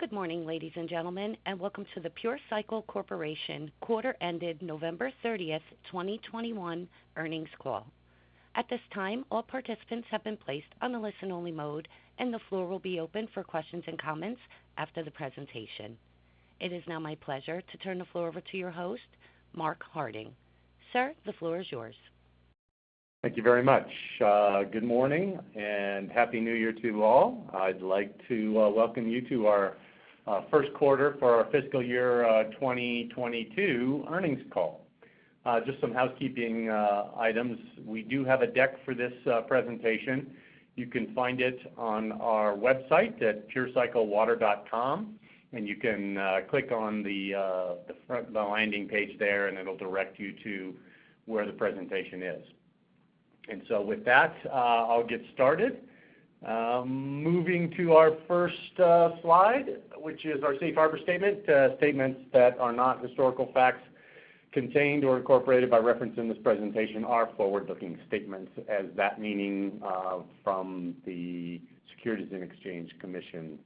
Good morning, ladies and gentlemen, and welcome to the Pure Cycle Corporation quarter ended November 30, 2021 earnings call. At this time, all participants have been placed on a listen-only mode, and the floor will be open for questions and comments after the presentation. It is now my pleasure to turn the floor over to your host, Mark Harding. Sir, the floor is yours. Thank you very much. Good morning and Happy New Year to you all. I'd like to welcome you to our Q1 for our fiscal year 2022 Earnings call. Just some housekeeping items. We do have a deck for this presentation. You can find it on our website at purecyclewater.com, and you can click on the landing page there, and it'll direct you to where the presentation is. With that, I'll get started. Moving to our first slide, which is our safe harbor statement. Statements that are not historical facts contained or incorporated by reference in this presentation are forward-looking statements as that meaning from the Securities and Exchange Commission.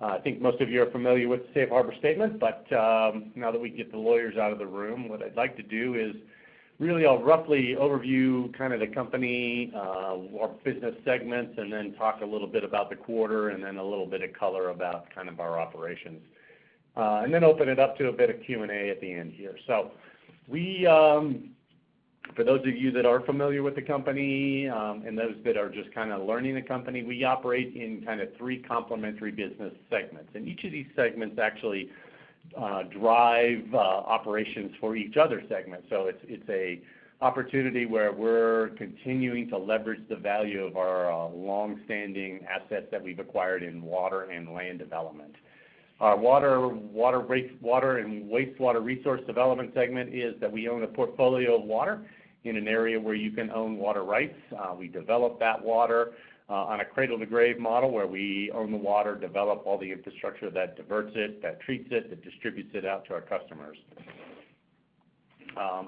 I think most of you are familiar with the safe harbor statement, but now that we can get the lawyers out of the room, what I'd like to do is really I'll roughly overview kind of the company, our business segments, and then talk a little bit about the quarter and then a little bit of color about kind of our operations. And then open it up to a bit of Q&A at the end here. For those of you that are familiar with the company, and those that are just kinda learning the company, we operate in kind of three complementary business segments. Each of these segments actually drive operations for each other segment. It's a opportunity where we're continuing to leverage the value of our long-standing assets that we've acquired in water and land development. Our water and wastewater resource development segment is that we own a portfolio of water in an area where you can own water rights. We develop that water on a cradle-to-grave model where we own the water, develop all the infrastructure that diverts it, that treats it, that distributes it out to our customers.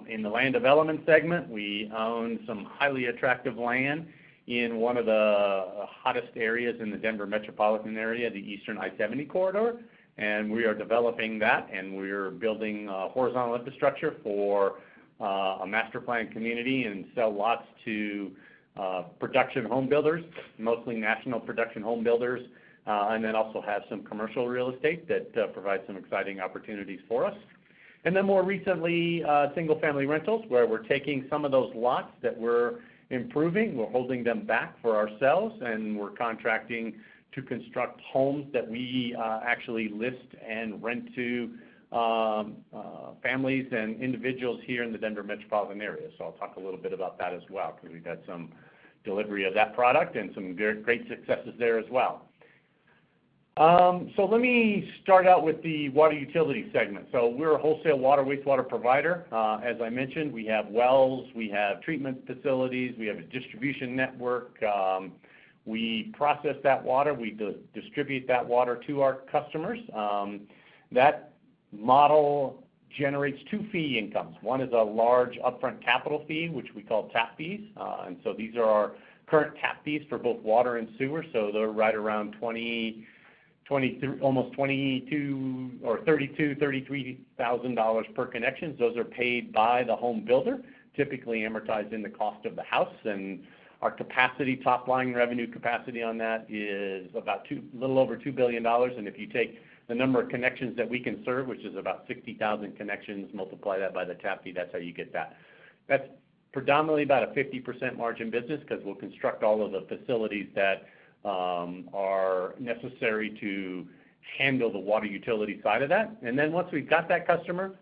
In the land development segment, we own some highly attractive land in one of the hottest areas in the Denver metropolitan area, the Eastern I-70 Corridor. We are developing that, and we're building horizontal infrastructure for a master planned community and sell lots to production home builders, mostly national production home builders, and then also have some commercial real estate that provides some exciting opportunities for us. More recently, single-family rentals, where we're taking some of those lots that we're improving, we're holding them back for ourselves, and we're contracting to construct homes that we actually list and rent to families and individuals here in the Denver metropolitan area. I'll talk a little bit about that as well, because we've had some delivery of that product and some very great successes there as well. Let me start out with the water utility segment. We're a wholesale water wastewater provider. As I mentioned, we have wells, we have treatment facilities, we have a distribution network. We process that water. We distribute that water to our customers. That model generates two fee incomes. One is a large upfront capital fee, which we call tap fees. These are our current tap fees for both water and sewer. They're right around almost $22,000 or $32,000-$33,000 per connection. Those are paid by the home builder, typically amortized in the cost of the house. Our capacity, top-line revenue capacity on that is little over $2 billion. If you take the number of connections that we can serve, which is about 60,000 connections, multiply that by the tap fee, that's how you get that. That's predominantly about a 50% margin business because we'll construct all of the facilities that are necessary to handle the water utility side of that. Once we've got that customer,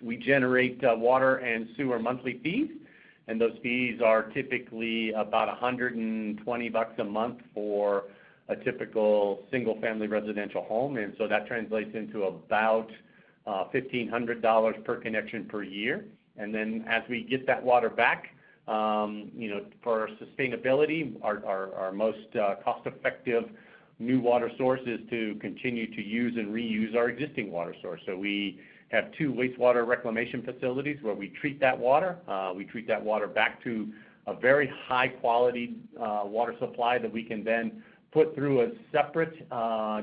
we generate water and sewer monthly fees, and those fees are typically about $120 a month for a typical single-family residential home. That translates into about $1,500 per connection per year. As we get that water back, you know, for our sustainability, our most cost-effective new water source is to continue to use and reuse our existing water source. We have 2 wastewater reclamation facilities where we treat that water. We treat that water back to a very high quality water supply that we can then put through a separate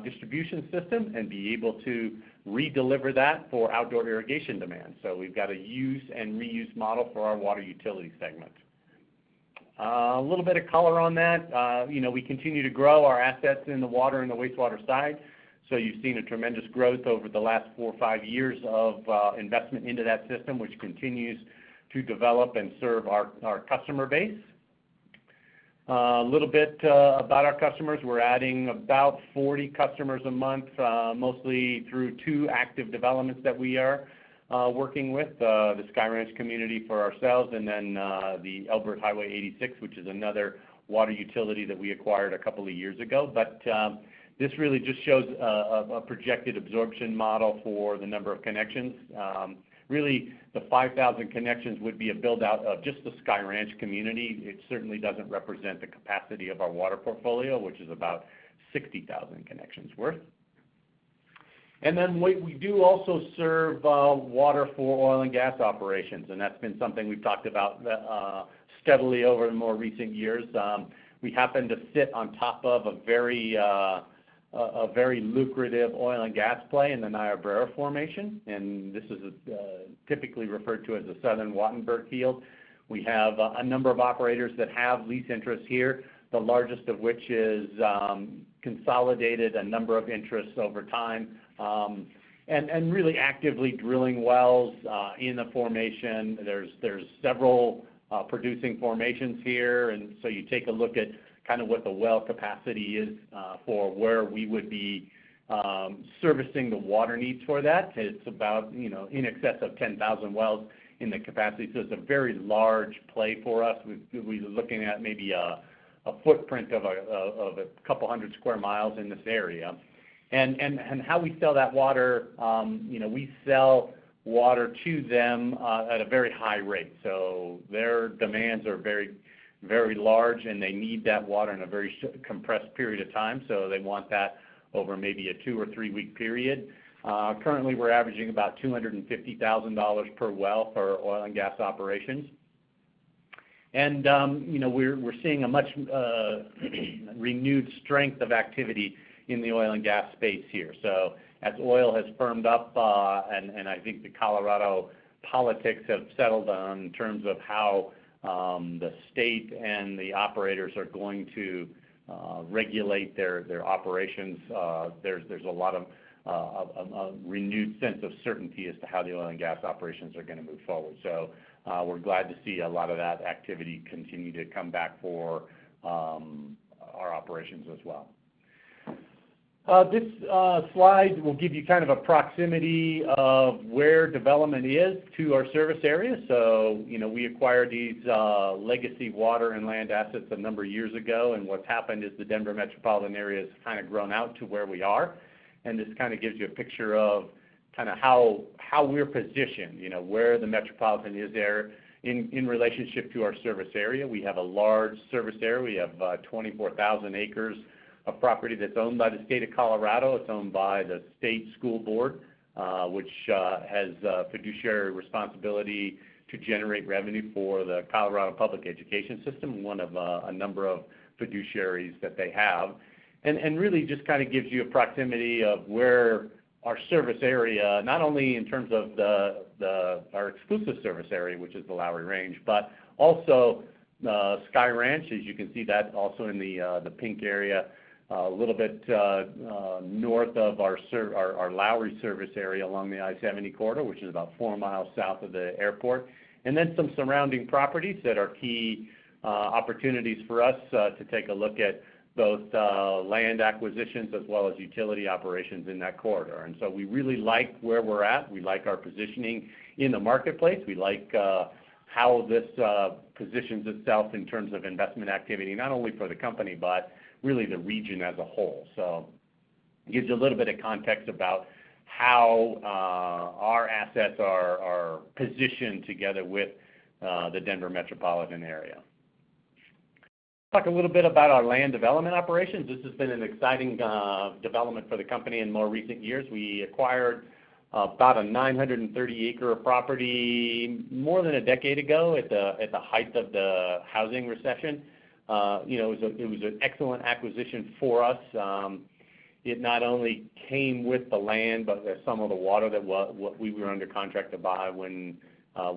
distribution system and be able to redeliver that for outdoor irrigation demand. So we've got a use and reuse model for our water utility segment. A little bit of color on that. You know, we continue to grow our assets in the water and the wastewater side. So you've seen a tremendous growth over the last four or five years of investment into that system, which continues to develop and serve our customer base. A little bit about our customers. We're adding about 40 customers a month, mostly through 2 active developments that we are working with, the Sky Ranch community for ourselves and then, the Elbert & Highway 86, which is another water utility that we acquired a couple of years ago. This really just shows a projected absorption model for the number of connections. Really, the 5,000 connections would be a build-out of just the Sky Ranch community. It certainly doesn't represent the capacity of our water portfolio, which is about 60,000 connections worth. Then we do also serve water for oil and gas operations, and that's been something we've talked about steadily over in more recent years. We happen to sit on top of a very lucrative oil and gas play in the Niobrara formation, and this is typically referred to as the Southern Wattenberg field. We have a number of operators that have lease interests here, the largest of which is consolidated a number of interests over time, and really actively drilling wells in the formation. There are several producing formations here, and so you take a look at kind of what the well capacity is for where we would be servicing the water needs for that. It's about, you know, in excess of 10,000 wells in the capacity, so it's a very large play for us. We're looking at maybe a footprint of a couple hundred square miles in this area. How we sell that water, you know, we sell water to them at a very high rate. Their demands are very, very large, and they need that water in a very compressed period of time, so they want that over maybe a 2- or 3-week period. Currently, we're averaging about $250,000 per well for oil and gas operations. You know, we're seeing a much renewed strength of activity in the oil and gas space here. As oil has firmed up, and I think the Colorado politics have settled on in terms of how the state and the operators are going to regulate their operations, there's a lot of a renewed sense of certainty as to how the oil and gas operations are gonna move forward. We're glad to see a lot of that activity continue to come back for our operations as well. This slide will give you kind of a proximity of where development is to our service area. You know, we acquired these legacy water and land assets a number of years ago, and what's happened is the Denver metropolitan area has kinda grown out to where we are. This kind of gives you a picture of kind of how we're positioned, you know, where the metropolitan is there in relationship to our service area. We have a large service area. We have 24,000 acres of property that's owned by the State of Colorado. It's owned by the Colorado State Land Board, which has a fiduciary responsibility to generate revenue for the Colorado public education system, one of a number of fiduciaries that they have. Really just kinda gives you a proximity of where our service area, not only in terms of our exclusive service area, which is the Lowry Range, but also Sky Ranch, as you can see that also in the pink area, a little bit North of our Lowry service area along the I-70 corridor, which is about 4-miles south of the airport. Then some surrounding properties that are key opportunities for us to take a look at both land acquisitions as well as utility operations in that corridor. We really like where we're at. We like our positioning in the marketplace. We like how this positions itself in terms of investment activity, not only for the company, but really the region as a whole. Gives you a little bit of context about how our assets are positioned together with the Denver metropolitan area. Talk a little bit about our land development operations. This has been an exciting development for the company in more recent years. We acquired about a 930-acre property more than a decade ago at the height of the housing recession. You know, it was an excellent acquisition for us. It not only came with the land, but some of the water that we were under contract to buy when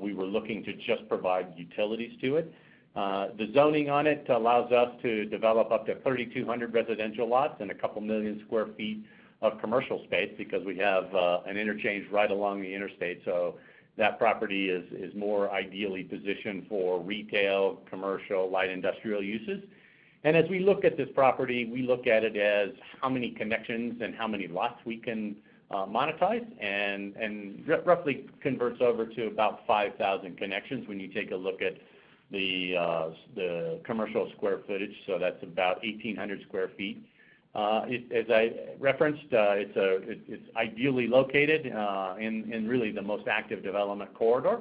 we were looking to just provide utilities to it. The zoning on it allows us to develop up to 3,200 residential lots and a couple million sq ft of commercial space because we have an interchange right along the interstate, so that property is more ideally positioned for retail, commercial, light industrial uses. As we look at this property, we look at it as how many connections and how many lots we can monetize and roughly converts over to about 5,000 connections when you take a look at the commercial square footage. That's about 1,800 sq ft. As I referenced, it's ideally located in really the most active development corridor.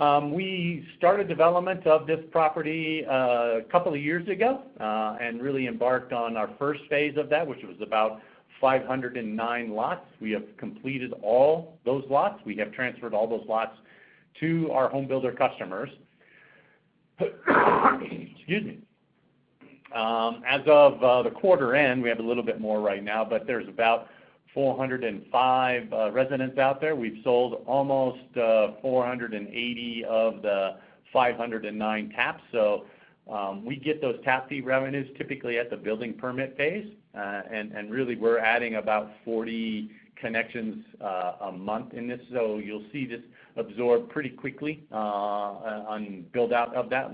We started development of this property a couple of years ago and really embarked on our first phase of that, which was about 509 lots. We have completed all those lots. We have transferred all those lots to our home builder customers. Excuse me. As of the quarter end, we have a little bit more right now, but there's about 405 residents out there. We've sold almost 480 of the 509 taps. We get those tap fee revenues typically at the building permit phase. Really we're adding about 40 connections a month in this, so you'll see this absorb pretty quickly on build-out of that.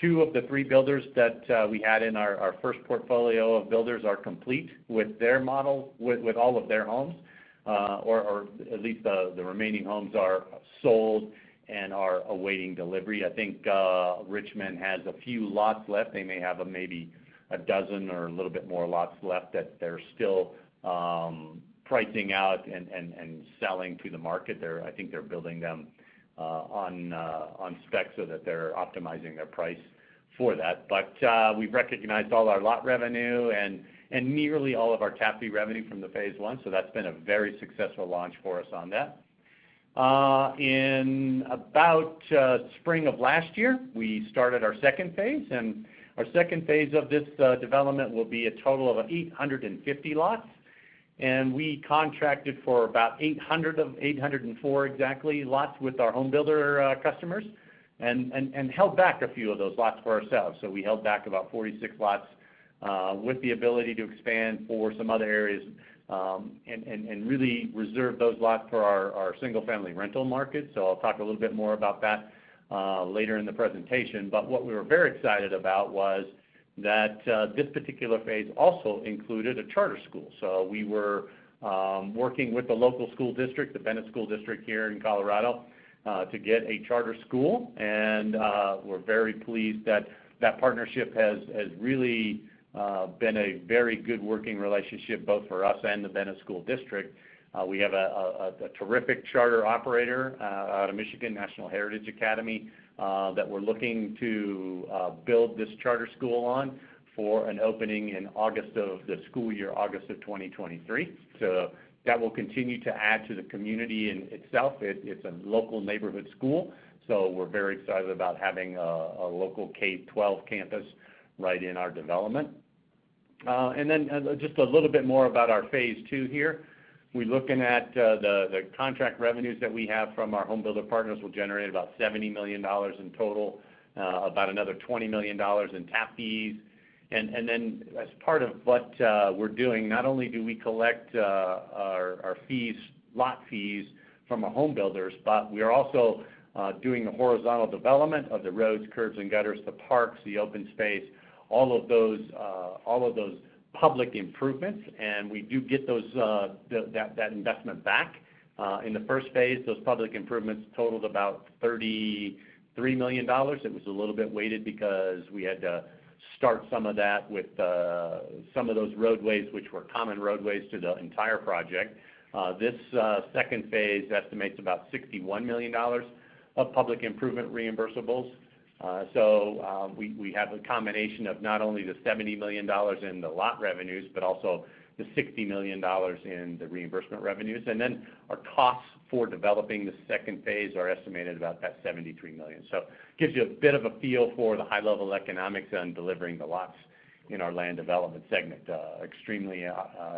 Two of the three builders that we had in our first portfolio of builders are complete with their model, with all of their homes, or at least the remaining homes are sold and are awaiting delivery. I think Richmond has a few lots left. They may have maybe a dozen or a little bit more lots left that they're still pricing out and selling to the market. I think they're building them on spec so that they're optimizing their price for that. We've recognized all our lot revenue and nearly all of our tap fee revenue from the phase one, so that's been a very successful launch for us on that. In about spring of last year, we started our second phase. Our second phase of this development will be a total of 850 lots. We contracted for about 804 exactly lots with our home builder customers and held back a few of those lots for ourselves. We held back about 46 lots with the ability to expand for some other areas and really reserve those lots for our single-family rental market. I'll talk a little bit more about that later in the presentation. What we were very excited about was that this particular phase also included a charter school. We were working with the local school district, the Bennett School District here in Colorado, to get a charter school. We're very pleased that partnership has really been a very good working relationship, both for us and the Bennett School District. We have a terrific charter operator out of Michigan National Heritage Academies that we're looking to build this charter school on for an opening in August of the school year, August of 2023. That will continue to add to the community in itself. It's a local neighborhood school, so we're very excited about having a local K12 campus right in our development. Just a little bit more about our phase two here. We're looking at the contract revenues that we have from our home builder partners will generate about $70 million in total, about another $20 million in tap fees. As part of what we're doing, not only do we collect our fees, lot fees from our home builders, but we are also doing the horizontal development of the roads, curbs, and gutters, the parks, the open space, all of those public improvements, and we do get that investment back. In the first phase, those public improvements totaled about $33 million. It was a little bit weighted because we had to start some of that with some of those roadways, which were common roadways to the entire project. This second phase estimates about $61 million of public improvement reimbursables. We have a combination of not only the $70 million in the lot revenues, but also the $60 million in the reimbursement revenues. Then our costs for developing the second phase are estimated about that $73 million. Gives you a bit of a feel for the high-level economics on delivering the lots in our land development segment. Extremely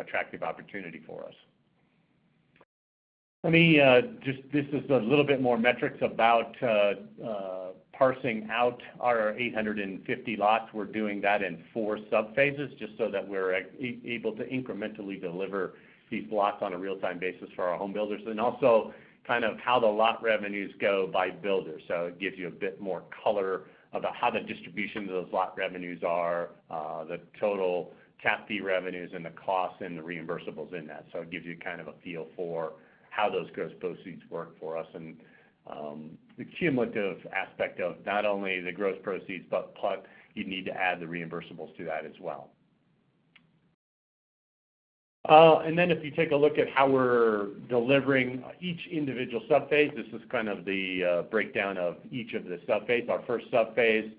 attractive opportunity for us. This is a little bit more metrics about parsing out our 850 lots. We're doing that in 4 subphases, just so that we're able to incrementally deliver these lots on a real-time basis for our home builders. Also kind of how the lot revenues go by builders. It gives you a bit more color about how the distributions of those lot revenues are, the total tap fee revenues and the costs and the reimbursables in that. It gives you kind of a feel for how those gross proceeds work for us. The cumulative aspect of not only the gross proceeds, but you need to add the reimbursables to that as well. If you take a look at how we're delivering each individual subphase, this is kind of the breakdown of each of the subphase. Our first subphase,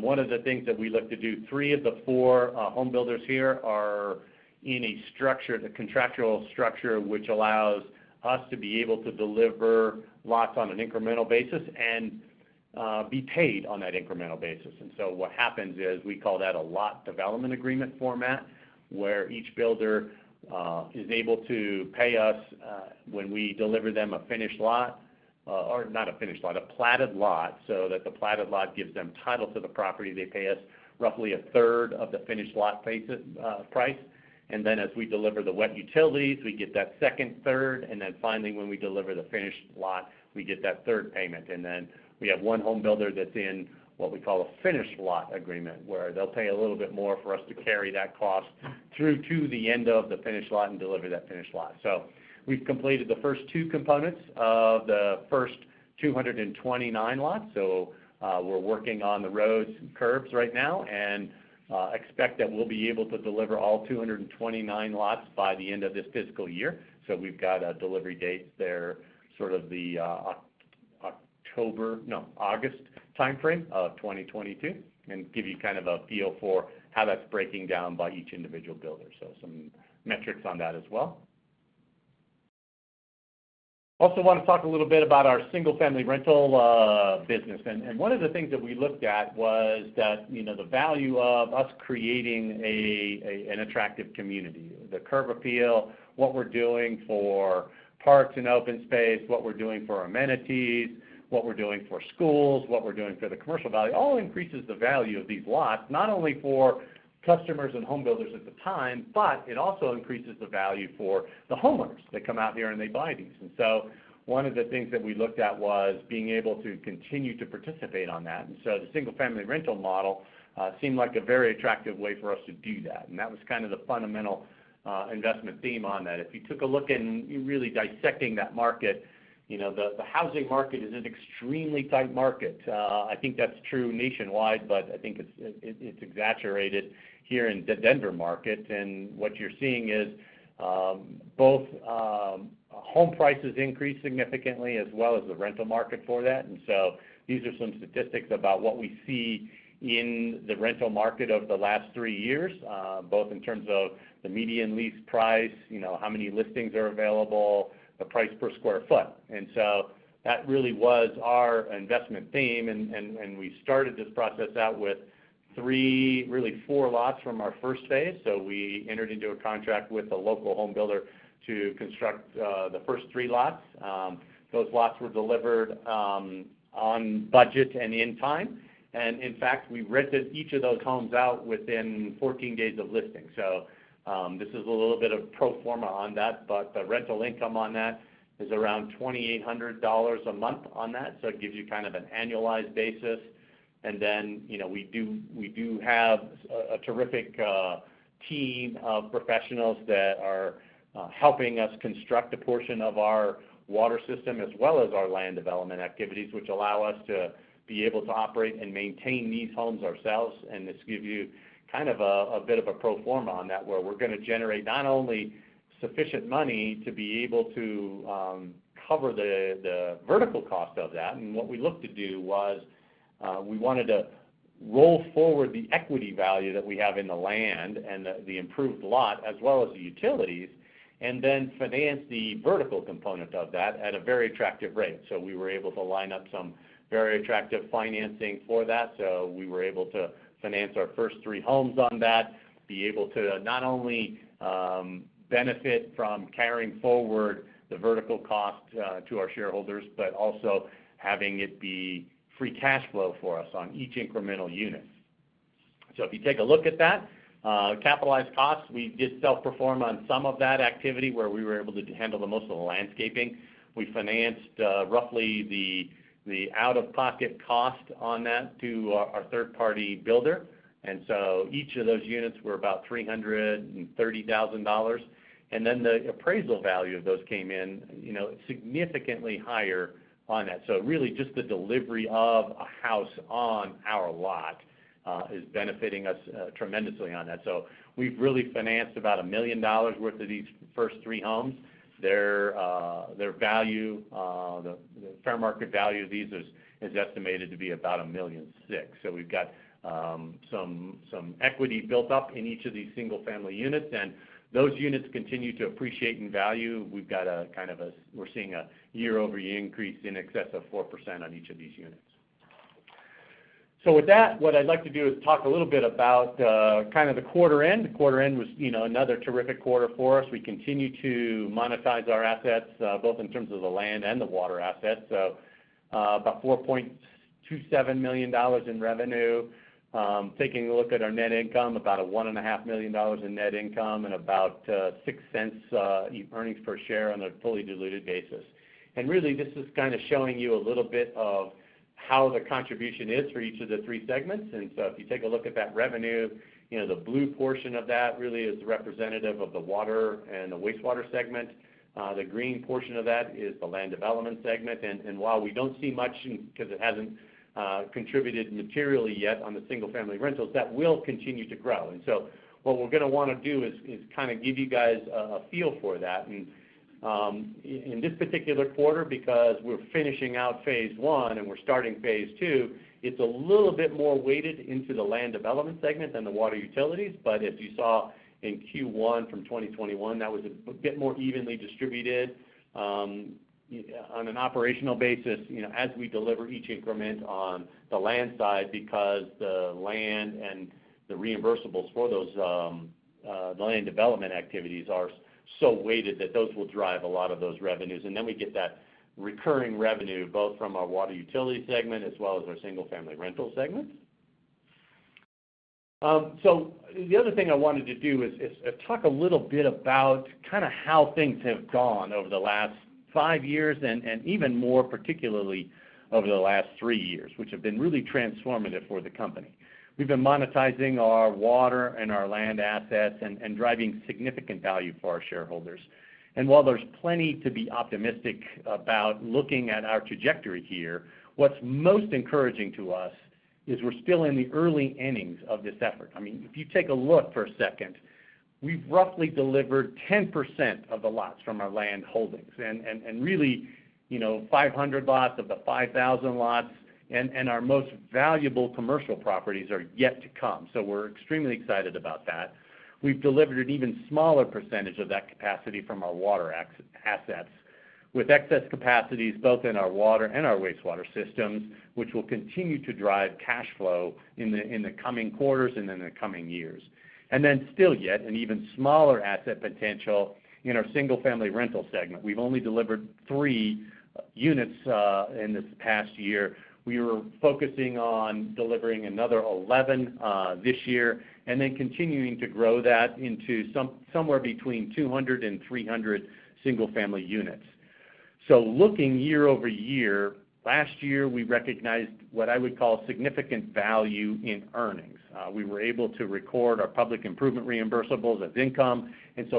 one of the things that we look to do, three of the four home builders here are in a structure, the contractual structure, which allows us to be able to deliver lots on an incremental basis and be paid on that incremental basis. What happens is we call that a lot development agreement format, where each builder is able to pay us when we deliver them a finished lot, or not a finished lot, a platted lot, so that the platted lot gives them title to the property. They pay us roughly a third of the finished lot price. Then as we deliver the wet utilities, we get that second third, and then finally, when we deliver the finished lot, we get that third payment. Then we have one home builder that's in what we call a finished lot agreement, where they'll pay a little bit more for us to carry that cost through to the end of the finished lot and deliver that finished lot. We've completed the first two components of the first 229 lots. We're working on the roads and curbs right now and expect that we'll be able to deliver all 229 lots by the end of this fiscal year. We've got a delivery date there, sort of the August timeframe of 2022, and give you kind of a feel for how that's breaking down by each individual builder. Some metrics on that as well. We also want to talk a little bit about our single-family rental business. One of the things that we looked at was that, you know, the value of us creating an attractive community. The curb appeal, what we're doing for parks and open space, what we're doing for amenities, what we're doing for schools, what we're doing for the commercial value, all increases the value of these lots, not only for customers and home builders at the time, but it also increases the value for the homeowners that come out here and they buy these. One of the things that we looked at was being able to continue to participate on that. The single-family rental model seemed like a very attractive way for us to do that. That was kind of the fundamental investment theme on that. If you took a look and you're really dissecting that market, you know, the housing market is an extremely tight market. I think that's true nationwide, but I think it's exaggerated here in the Denver market. What you're seeing is both home prices increase significantly as well as the rental market for that. These are some statistics about what we see in the rental market over the last three-years both in terms of the median lease price, you know, how many listings are available, the price per square foot. That really was our investment theme. We started this process out with three, really four lots from our first phase. We entered into a contract with a local home builder to construct the first three lots. Those lots were delivered on budget and on time. In fact, we rented each of those homes out within 14 days of listing. This is a little bit of pro forma on that, but the rental income on that is around $2,800 a month on that. It gives you kind of an annualized basis. You know, we do have a terrific team of professionals that are helping us construct a portion of our water system as well as our land development activities, which allow us to be able to operate and maintain these homes ourselves. This gives you kind of a bit of a pro forma on that, where we're gonna generate not only sufficient money to be able to cover the vertical cost of that. What we looked to do was, we wanted to roll forward the equity value that we have in the land and the improved lot as well as the utilities, and then finance the vertical component of that at a very attractive rate. We were able to line up some very attractive financing for that. We were able to finance our first three homes on that, be able to not only benefit from carrying forward the vertical cost to our shareholders, but also having it be free cash flow for us on each incremental unit. If you take a look at that, capitalized costs, we did self-perform on some of that activity where we were able to handle the most of the landscaping. We financed roughly the out-of-pocket cost on that to our third-party builder. Each of those units were about $330,000. Then the appraisal value of those came in, you know, significantly higher on that. Really just the delivery of a house on our lot is benefiting us tremendously on that. We've really financed about $1 million worth of these first three homes. Their value, the fair market value of these is estimated to be about $1.6 million. We've got some equity built up in each of these single-family units, and those units continue to appreciate in value. We're seeing a year-over-year increase in excess of 4% on each of these units. With that, what I'd like to do is talk a little bit about kind of the quarter-end. Quarter-end was another terrific quarter for us. We continue to monetize our assets both in terms of the land and the water assets. About $4.27 million in revenue. Taking a look at our net income, about $1.5 million in net income and about $0.06 earnings per share on a fully diluted basis. Really, this is kind of showing you a little bit of how the contribution is for each of the three segments. If you take a look at that revenue, you know, the blue portion of that really is representative of the water and the wastewater segment. The green portion of that is the land development segment. While we don't see much, because it hasn't contributed materially yet on the single-family rentals, that will continue to grow. What we're gonna wanna do is kind of give you guys a feel for that. In this particular quarter, because we're finishing out phase one and we're starting phase two, it's a little bit more weighted into the land development segment than the water utility. As you saw in Q1 from 2021, that was a bit more evenly distributed on an operational basis, you know, as we deliver each increment on the land side, because the land and the reimbursables for those land development activities are so weighted that those will drive a lot of those revenues. We get that recurring revenue, both from our water utility segment as well as our single-family rental segment. The other thing I wanted to do is talk a little bit about kind of how things have gone over the last five-years and even more particularly over the last three-years, which have been really transformative for the company. We've been monetizing our water and our land assets and driving significant value for our shareholders. While there's plenty to be optimistic about looking at our trajectory here, what's most encouraging to us is we're still in the early innings of this effort. I mean, if you take a look for a second, we've roughly delivered 10% of the lots from our land holdings and really, you know, 500 lots of the 5,000 lots and our most valuable commercial properties are yet to come. We're extremely excited about that. We've delivered an even smaller percentage of that capacity from our water assets with excess capacities both in our water and our wastewater systems, which will continue to drive cash flow in the coming quarters and in the coming years. Then still yet, an even smaller asset potential in our single-family rental segment. We've only delivered 3 units in this past year. We were focusing on delivering another 11 this year and then continuing to grow that into somewhere between 200 and 300 single-family units. Looking year-over-year, last year, we recognized what I would call significant value in earnings. We were able to record our public improvement reimbursables as income.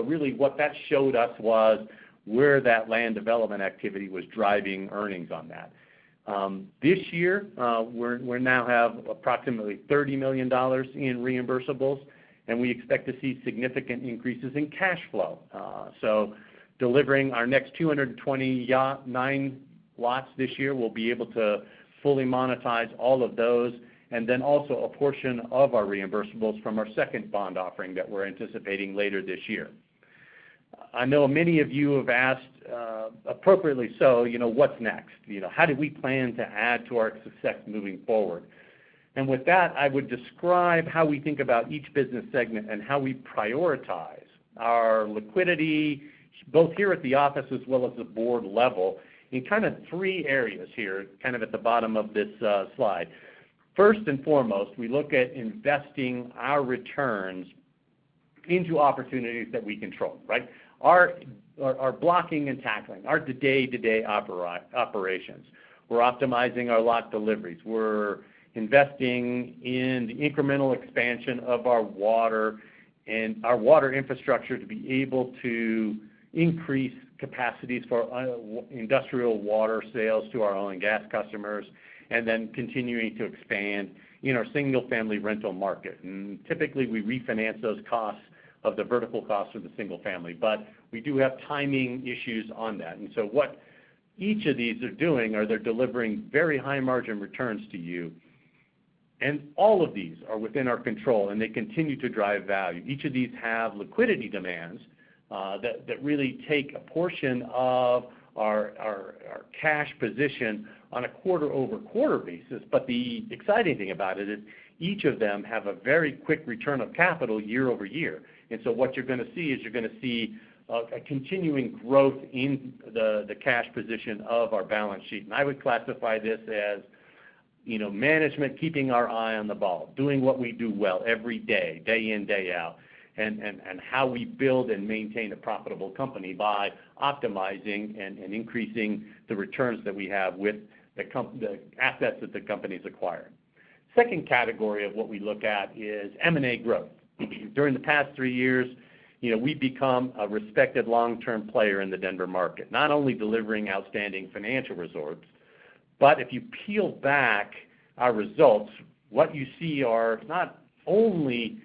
Really what that showed us was where that land development activity was driving earnings on that. This year, we now have approximately $30 million in reimbursables, and we expect to see significant increases in cash flow. Delivering our next 229 lots this year, we'll be able to fully monetize all of those. Then also a portion of our reimbursables from our second bond offering that we're anticipating later this year. I know many of you have asked, appropriately so, you know, what's next? You know, how do we plan to add to our success moving forward? With that, I would describe how we think about each business segment and how we prioritize our liquidity, both here at the office as well as the board level, in kind of 3 areas here, kind of at the bottom of this slide. First and foremost, we look at investing our returns into opportunities that we control, right? Our blocking and tackling, our day-to-day operations. We're optimizing our lot deliveries. We're investing in the incremental expansion of our water and our water infrastructure to be able to increase capacities for industrial water sales to our oil and gas customers, and then continuing to expand in our single-family rental market. Typically, we refinance those costs of the vertical costs of the single family, but we do have timing issues on that. What each of these are doing are they're delivering very high-margin returns to you. All of these are within our control, and they continue to drive value. Each of these have liquidity demands that really take a portion of our cash position on a quarter-over-quarter basis. The exciting thing about it is each of them have a very quick return of capital year-over-year. What you're gonna see is a continuing growth in the cash position of our balance sheet. I would classify this as, you know, management keeping our eye on the ball, doing what we do well every day in, day out, and how we build and maintain a profitable company by optimizing and increasing the returns that we have with the assets that the company's acquired. Second category of what we look at is M&A growth. During the past three-years, you know, we've become a respected long-term player in the Denver market, not only delivering outstanding financial results, but if you peel back our results, what you see are not only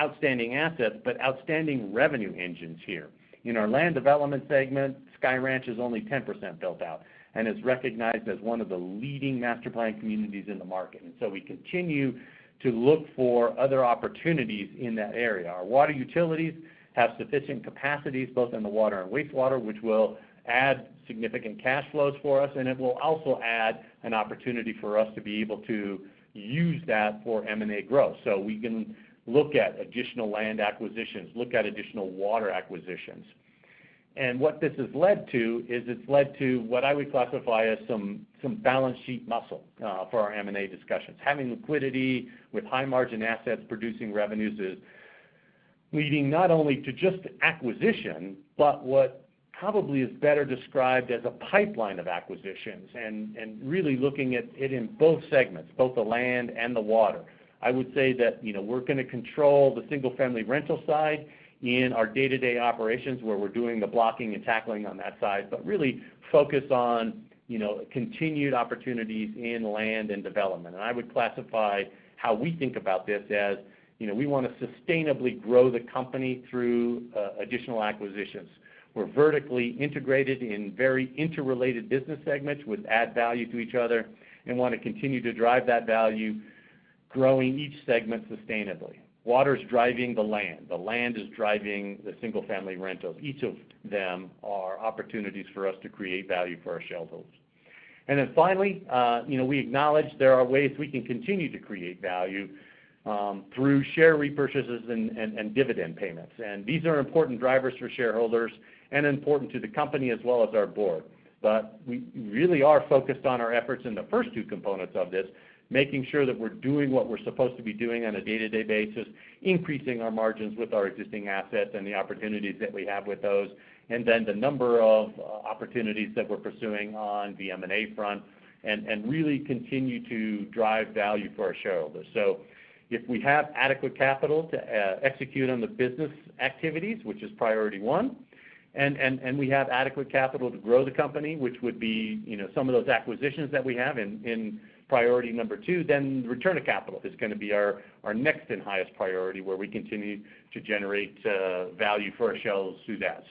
outstanding assets, but outstanding revenue engines here. In our land development segment, Sky Ranch is only 10% built out and is recognized as one of the leading master planned communities in the market. We continue to look for other opportunities in that area. Our water utilities have sufficient capacities, both in the water and wastewater, which will add significant cash flows for us, and it will also add an opportunity for us to be able to use that for M&A growth. We can look at additional land acquisitions, look at additional water acquisitions. What this has led to is it's led to what I would classify as some balance sheet muscle for our M&A discussions. Having liquidity with high-margin assets producing revenues is leading not only to just acquisition, but what probably is better described as a pipeline of acquisitions and really looking at it in both segments, both the land and the water. I would say that, you know, we're gonna control the single family rental side in our day-to-day operations, where we're doing the blocking and tackling on that side, but really focus on, you know, continued opportunities in land and development. I would classify how we think about this as, you know, we wanna sustainably grow the company through additional acquisitions. We're vertically integrated in very interrelated business segments, which add value to each other and wanna continue to drive that value, growing each segment sustainably. Water's driving the land. The land is driving the single-family rentals. Each of them are opportunities for us to create value for our shareholders. Finally, you know, we acknowledge there are ways we can continue to create value through share repurchases and dividend payments. These are important drivers for shareholders and important to the company as well as our board. We really are focused on our efforts in the first two components of this, making sure that we're doing what we're supposed to be doing on a day-to-day basis, increasing our margins with our existing assets and the opportunities that we have with those, and then the number of opportunities that we're pursuing on the M&A front and really continue to drive value for our shareholders. If we have adequate capital to execute on the business activities, which is priority one, and we have adequate capital to grow the company, which would be, you know, some of those acquisitions that we have in priority number two, then return of capital is gonna be our next and highest priority, where we continue to generate value for our shareholders through that.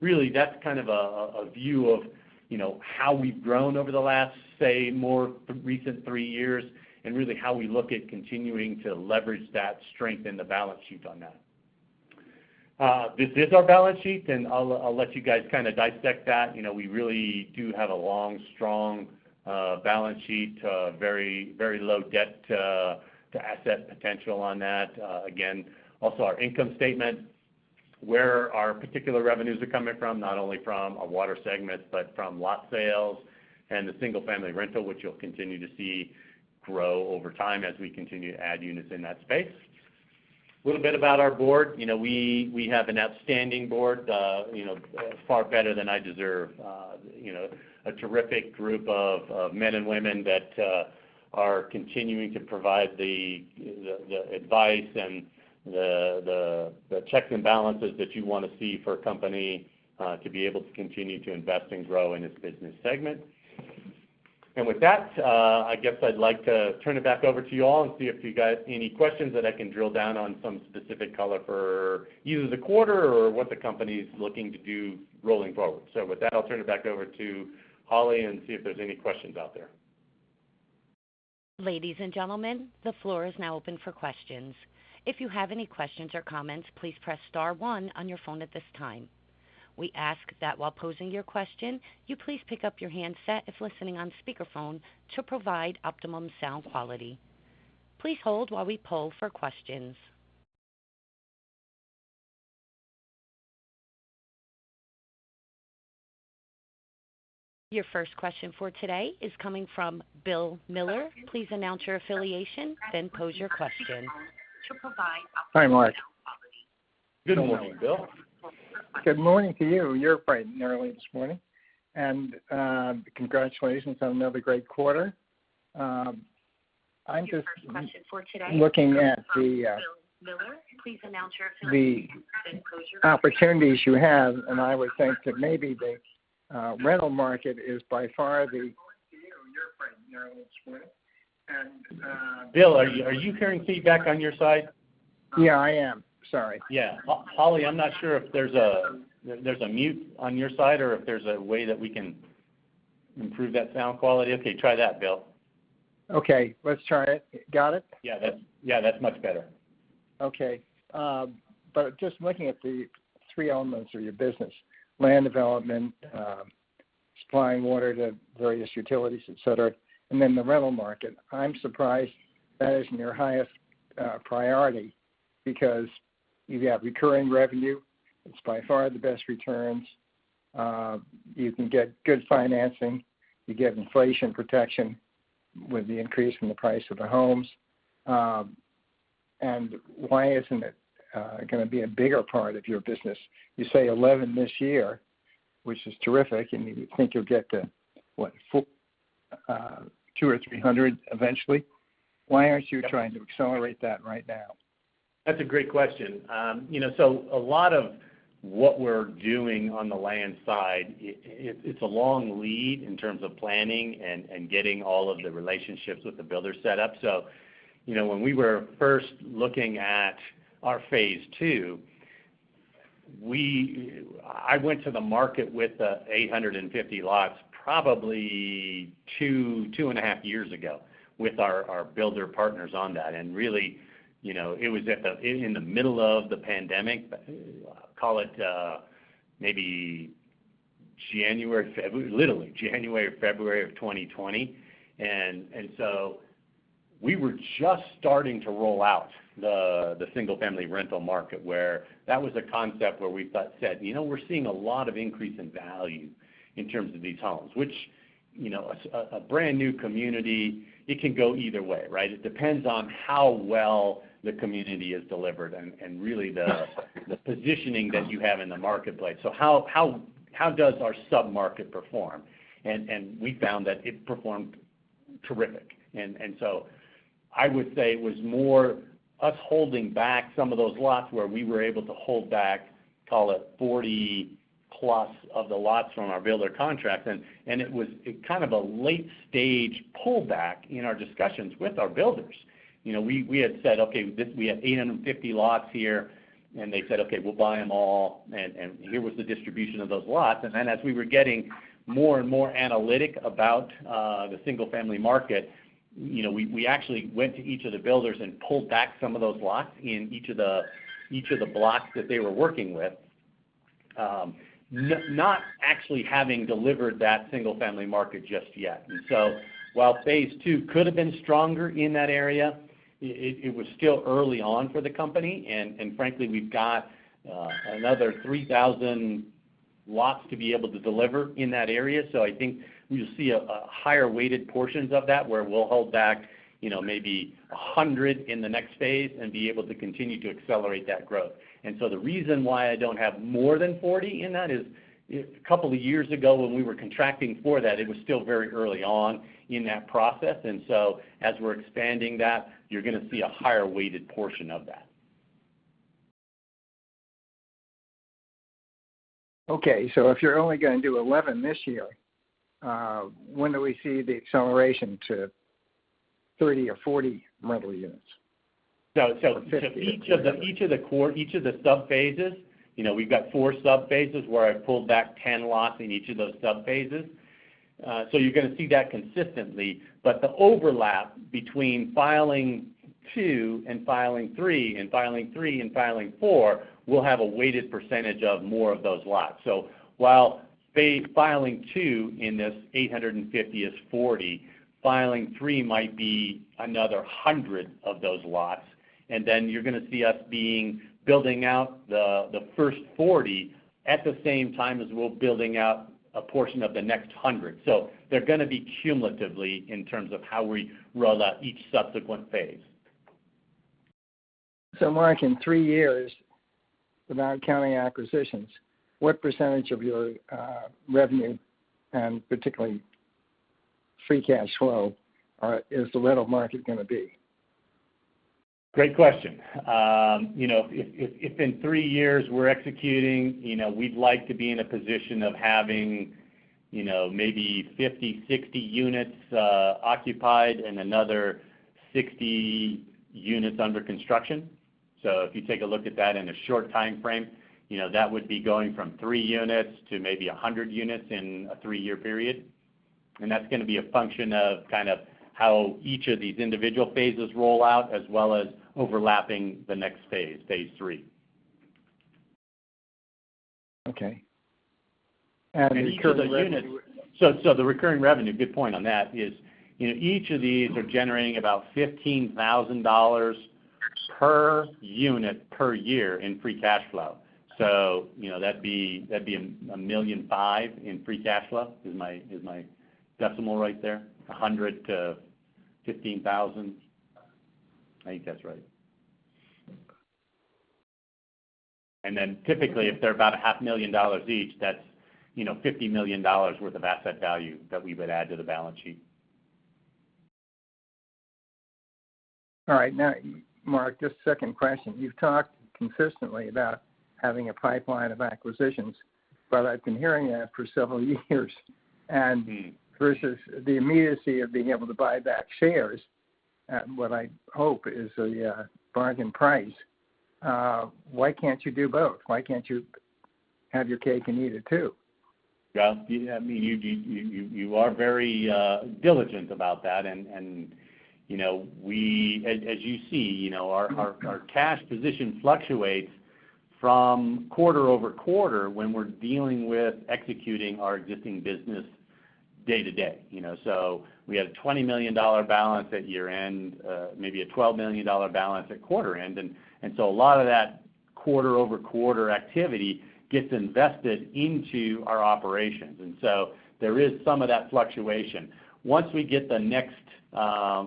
Really, that's kind of a view of, you know, how we've grown over the last, say, more recent 3-years, and really how we look at continuing to leverage that strength in the balance sheet on that. This is our balance sheet, and I'll let you guys kind of dissect that. You know, we really do have a long, strong balance sheet, very, very low debt to asset potential on that. Again, also our income statement, where our particular revenues are coming from, not only from our water segment, but from lot sales and the single-family rental, which you'll continue to see grow over time as we continue to add units in that space. A little bit about our board. You know, we have an outstanding board, you know, far better than I deserve. You know, a terrific group of men and women that are continuing to provide the advice and the checks and balances that you wanna see for a company to be able to continue to invest and grow in its business segment. With that, I guess I'd like to turn it back over to you all and see if you got any questions that I can drill down on some specific color for either the quarter or what the company's looking to do rolling forward. With that, I'll turn it back over to Holly and see if there's any questions out there. Ladies and gentlemen, the floor is now open for questions. If you have any questions or comments, please press star one on your phone at this time. We ask that while posing your question, you please pick up your handset if listening on speakerphone to provide optimum sound quality. Please hold while we poll for questions. Your first question for today is coming from Bill Miller. Please announce your affiliation, then pose your question. Hi, Mark. Good morning, Bill. Good morning to you. You're bright and early this morning. Congratulations on another great quarter. I'm just looking at the opportunities you have, and I would think that maybe the rental market is by far the- Bill, are you hearing feedback on your side? Yeah, I am. Sorry. Yeah. Holly, I'm not sure if there's a mute on your side or if there's a way that we can improve that sound quality. Okay, try that, Bill. Okay, let's try it. Got it? Yeah, that's much better. Okay. Just looking at the three elements of your business, land development, supplying water to various utilities, et cetera, and then the rental market. I'm surprised that is near highest priority because you have recurring revenue, it's by far the best returns, you can get good financing, you get inflation protection with the increase in the price of the homes. Why isn't it gonna be a bigger part of your business? You say 11 this year, which is terrific, and you think you'll get to, what? 200 or 300 eventually. Why aren't you trying to accelerate that right now? That's a great question. You know, a lot of what we're doing on the land side, it's a long lead in terms of planning and getting all of the relationships with the builders set up. You know, when we were first looking at our phase two, I went to the market with 850 lots, probably two and a half years ago with our builder partners on that. Really, you know, it was in the middle of the pandemic, call it maybe literally January, February of 2020. We were just starting to roll out the single-family rental market where that was a concept where we thought—said, "You know, we're seeing a lot of increase in value in terms of these homes." Which, you know, a brand new community, it can go either way, right? It depends on how well the community is delivered and really the positioning that you have in the marketplace. How does our sub-market perform? We found that it performed terrific. I would say it was more us holding back some of those lots where we were able to hold back, call it 40+ of the lots from our builder contract. It was kind of a late stage pullback in our discussions with our builders. You know, we had said, "Okay, this, we have 850 lots here." They said, "Okay, we'll buy them all." Here was the distribution of those lots. Then as we were getting more and more analytic about the single-family market, you know, we actually went to each of the builders and pulled back some of those lots in each of the blocks that they were working with, not actually having delivered that single family market just yet. While phase two could have been stronger in that area, it was still early on for the company. Frankly, we've got another 3,000 lots to be able to deliver in that area. I think you'll see a higher weighted portions of that where we'll hold back, you know, maybe 100 in the next phase and be able to continue to accelerate that growth. The reason why I don't have more than 40 in that is a couple of years ago when we were contracting for that, it was still very early on in that process. As we're expanding that, you're gonna see a higher weighted portion of that. Okay. If you're only gonna do 11 this year, when do we see the acceleration to 30 or 40 rental units? Each of the sub phases, you know, we've got 4 sub phases where I've pulled back 10 lots in each of those sub phases. You're gonna see that consistently. The overlap between filing 2 and filing 3, and filing 3 and filing 4 will have a weighted percentage of more of those lots. While phase—filing 2 in this 850 is 40, filing 3 might be another 100 of those lots. You're gonna see us building out the first 40 at the same time as we're building out a portion of the next 100. They're gonna be cumulatively in terms of how we roll out each subsequent phase. Mark, in three-years, without counting acquisitions, what percentage of your revenue and particularly free cash flow is the rental market gonna be? Great question. You know, if in three-years we're executing, you know, we'd like to be in a position of having, you know, maybe 50, 60 units occupied and another 60 units under construction. So if you take a look at that in a short time frame, you know, that would be going from 3 units to maybe 100 units in a three-year period. That's gonna be a function of kind of how each of these individual phases roll out as well as overlapping the next phase three. Okay. Recurring revenue- The recurring revenue, good point on that is, you know, each of these are generating about $15,000 per unit per year in free cash flow. You know, that'd be $1.5 million in free cash flow, is my decimal right there, 100 to 15,000. I think that's right. Then typically, if they're about a half million dollars each, that's, you know, $50 million worth of asset value that we would add to the balance sheet. All right. Now, Mark, just a second question. You've talked consistently about having a pipeline of acquisitions, but I've been hearing that for several years. Mm-hmm. Versus the immediacy of being able to buy back shares at what I hope is a bargain price, why can't you do both? Why can't you have your cake and eat it too? Well, you know, I mean, you are very diligent about that. You know, as you see, you know, our cash position fluctuates quarter-over-quarter when we're dealing with executing our existing business day to day. You know? We have a $20 million balance at year-end, maybe a $12 million balance at quarter-end. A lot of that quarter-over-quarter activity gets invested into our operations. There is some of that fluctuation. Once we get the next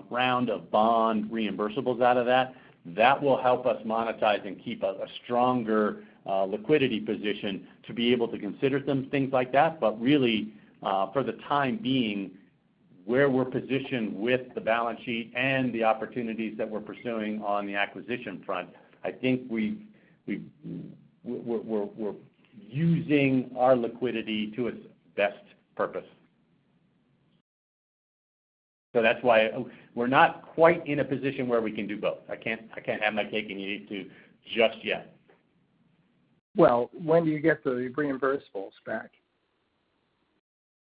round of bond reimbursables out of that will help us monetize and keep a stronger liquidity position to be able to consider some things like that. Really, for the time being, where we're positioned with the balance sheet and the opportunities that we're pursuing on the acquisition front, I think we're using our liquidity to its best purpose. That's why we're not quite in a position where we can do both. I can't have my cake and eat it too just yet. Well, when do you get the reimbursables back?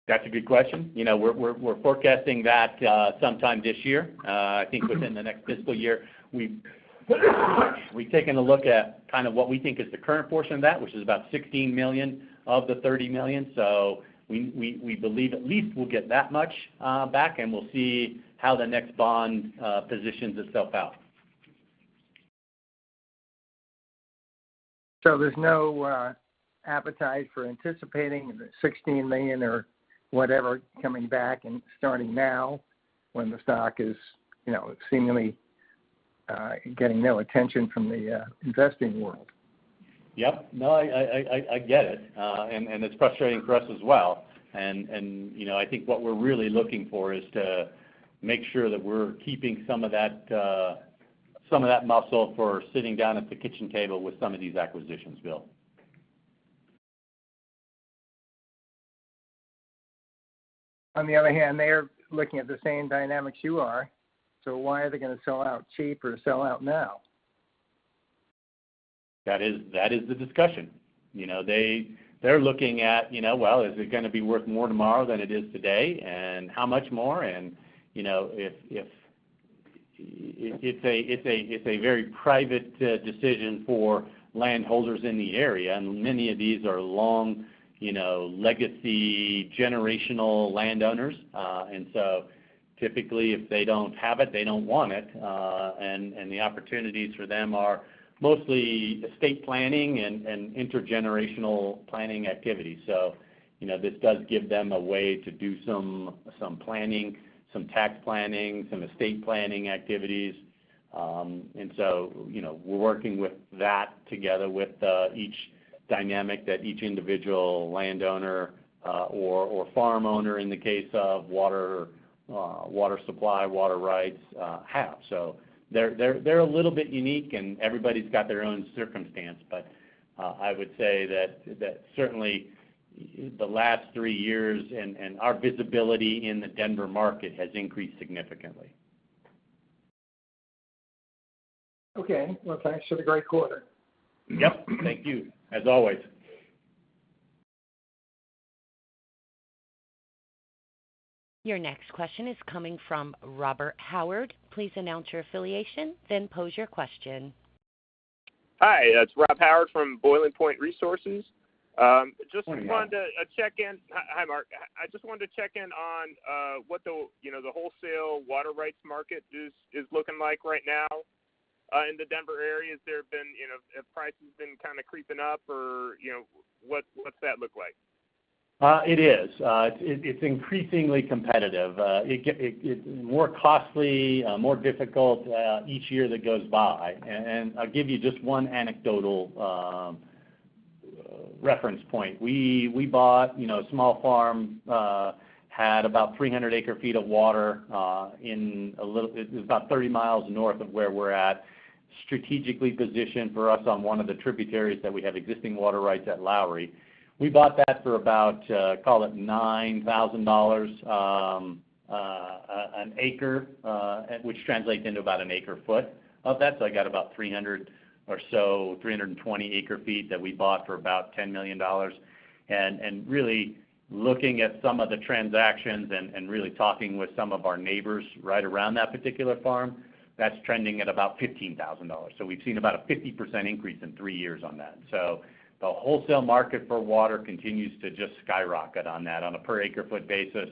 That's a good question. You know, we're forecasting that sometime this year. I think within the next fiscal year. We've taken a look at kind of what we think is the current portion of that, which is about $16 million of the $30 million. We believe at least we'll get that much back, and we'll see how the next bond positions itself out. There's no appetite for anticipating the $16 million or whatever coming back and starting now when the stock is, you know, seemingly, getting no attention from the investing world? Yep. No, I get it. It's frustrating for us as well. You know, I think what we're really looking for is to make sure that we're keeping some of that muscle for sitting down at the kitchen table with some of these acquisitions, Bill. On the other hand, they are looking at the same dynamics you are, so why are they gonna sell out cheap or sell out now? That is the discussion. You know, they're looking at, you know, well, is it gonna be worth more tomorrow than it is today, and how much more? It's a very private decision for landholders in the area, and many of these are long, you know, legacy, generational landowners. Typically, if they don't have it, they don't want it. The opportunities for them are mostly estate planning and intergenerational planning activities. You know, this does give them a way to do some planning, some tax planning, some estate planning activities. You know, we're working with that together with each dynamic that each individual landowner or farm owner in the case of water supply, water rights have. They're a little bit unique, and everybody's got their own circumstance. I would say that certainly the last three-years and our visibility in the Denver market has increased significantly. Okay. Well, thanks for the great quarter. Yep. Thank you, as always. Your next question is coming from Robert Howard. Please announce your affiliation, then pose your question. Hi. It's Rob Howard from Boiling Point Resources. Just wanted to check in. How are you, Rob? Hi, Mark. I just wanted to check in on what the, you know, the wholesale water rights market is looking like right now in the Denver area. Have prices been kind of creeping up or, you know, what's that look like? It is. It's increasingly competitive. It's more costly, more difficult each year that goes by. I'll give you just one anecdotal reference point. We bought, you know, a small farm had about 300 acre-feet of water. It was about 30-miles North of where we're at, strategically positioned for us on one of the tributaries that we have existing water rights at Lowry. We bought that for about, call it $9,000 an acre, which translates into about an acre-foot of that. I got about 300 or so, 320 acre-feet that we bought for about $10 million. Really looking at some of the transactions and really talking with some of our neighbors right around that particular farm, that's trending at about $15,000. We've seen about a 50% increase in three-years on that. The wholesale market for water continues to just skyrocket on that on a per acre-foot basis.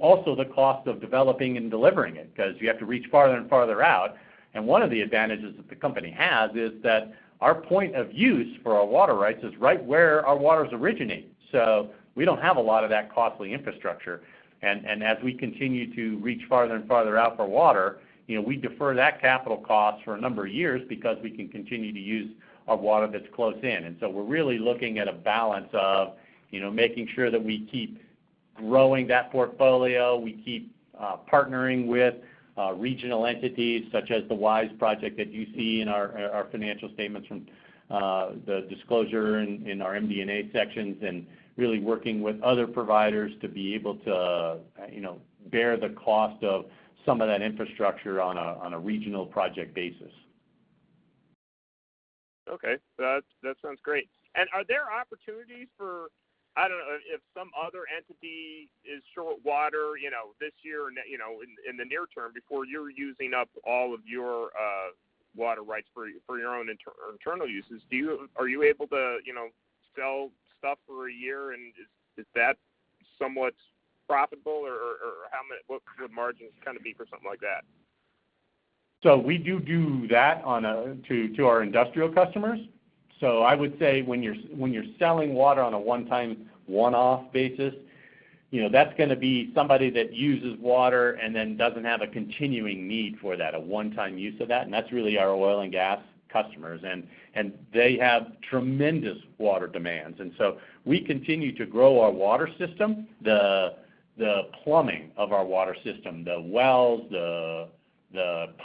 Also the cost of developing and delivering it 'cause you have to reach farther and farther out. One of the advantages that the company has is that our point of use for our water rights is right where our waters originate. We don't have a lot of that costly infrastructure. As we continue to reach farther and farther out for water, you know, we defer that capital cost for a number of years because we can continue to use our water that's close in. We're really looking at a balance of, you know, making sure that we keep growing that portfolio. We keep partnering with regional entities such as the WISE Project that you see in our financial statements from the disclosure in our MD&A sections and really working with other providers to be able to, you know, bear the cost of some of that infrastructure on a regional project basis. Okay. That sounds great. Are there opportunities for, I don't know, if some other entity is short water, you know, this year or you know, in the near term before you're using up all of your water rights for your own internal uses. Are you able to, you know, sell stuff for a year and is that somewhat profitable or what could the margins kind of be for something like that? We do that to our industrial customers. I would say when you're selling water on a one-time, one-off basis, you know, that's gonna be somebody that uses water and then doesn't have a continuing need for that, a one-time use of that, and that's really our oil and gas customers. They have tremendous water demands. We continue to grow our water system. The plumbing of our water system, the wells, the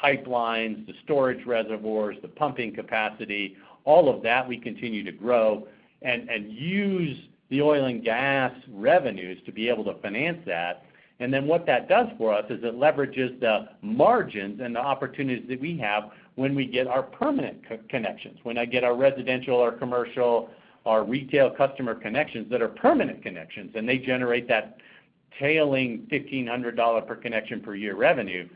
pipelines, the storage reservoirs, the pumping capacity, all of that we continue to grow and use the oil and gas revenues to be able to finance that. What that does for us is it leverages the margins and the opportunities that we have when we get our permanent customer connections. When I get our residential, our commercial, our retail customer connections that are permanent connections, and they generate that $1,500 per connection per year revenue.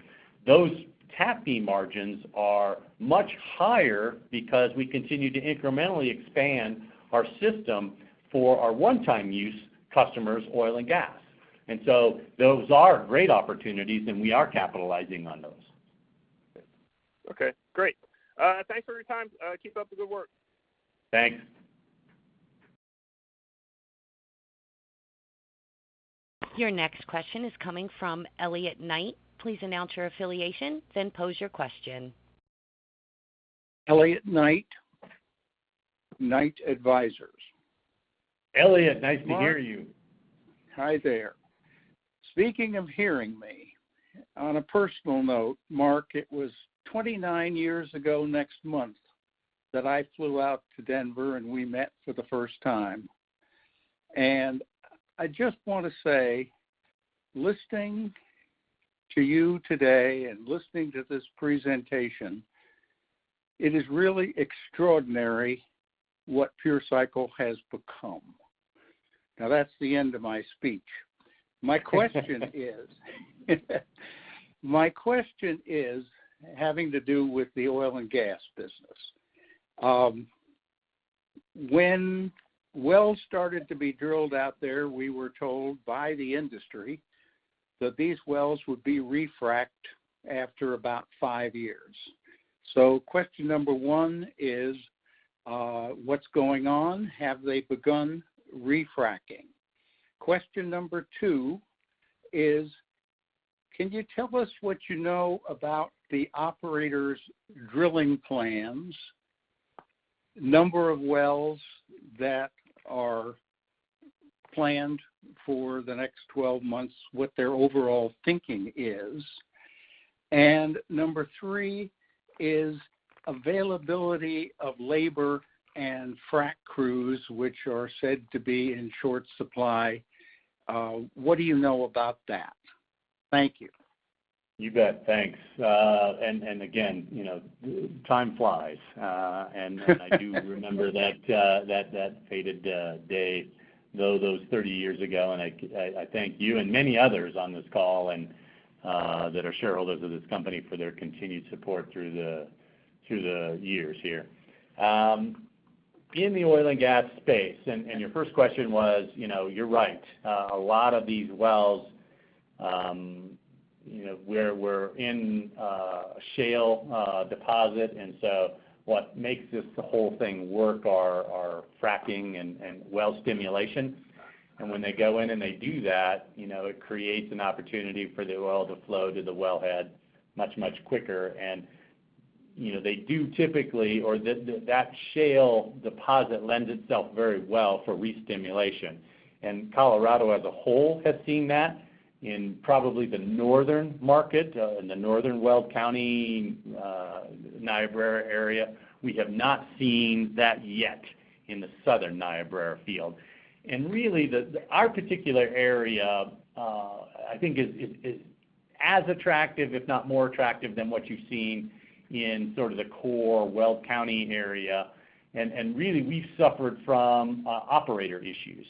Those tap margins are much higher because we continue to incrementally expand our system for our one-time use customers, oil and gas. Those are great opportunities, and we are capitalizing on those. Okay, great. Thanks for your time. Keep up the good work. Thanks. Your next question is coming from Elliot Knight. Please announce your affiliation, then pose your question. Elliot Knight Advisors. Elliot, nice to hear you. Mark, hi there. Speaking of hearing me, on a personal note, Mark, it was 29-years ago next month that I flew out to Denver and we met for the first time. I just wanna say, listening to you today and listening to this presentation, it is really extraordinary what Pure Cycle has become. Now, that's the end of my speech. My question is having to do with the oil and gas business. When wells started to be drilled out there, we were told by the industry that these wells would be refrac'd after about 5-years. Question number 1 is, what's going on? Have they begun refrac'ing? Question number 2 is, can you tell us what you know about the operators' drilling plans, number of wells that are planned for the next 12-months, what their overall thinking is? Number three is availability of labor and frac crews, which are said to be in short supply. What do you know about that? Thank you. You bet. Thanks. Again, you know, time flies. I do remember that fated day though 30-years ago, and I thank you and many others on this call and that are shareholders of this company for their continued support through the years here. In the oil and gas space, your first question was, you know, you're right. A lot of these wells, you know, we're in a shale deposit, and so what makes this the whole thing work are fracking and well stimulation. When they go in and they do that, you know, it creates an opportunity for the oil to flow to the wellhead much, much quicker. You know, they do typically. Or that shale deposit lends itself very well for restimulation. Colorado as a whole has seen that. In probably the Northern market, in the Northern Weld County, Niobrara area. We have not seen that yet in the southern Niobrara field. Our particular area, I think is as attractive, if not more attractive than what you've seen in sort of the core Weld County area. We really suffered from operator issues.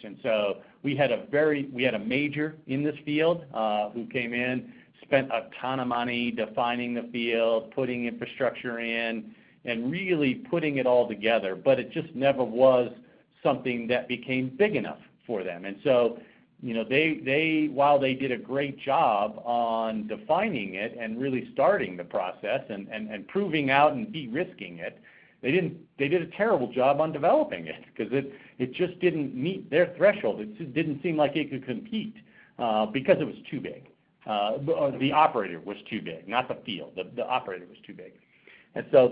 We had a major in this field, who came in, spent a ton of money defining the field, putting infrastructure in, and really putting it all together, but it just never was something that became big enough for them. You know, they. While they did a great job on defining it and really starting the process and proving out and de-risking it, they did a terrible job on developing it 'cause it just didn't meet their threshold. It just didn't seem like it could compete because it was too big. The operator was too big, not the field. The operator was too big.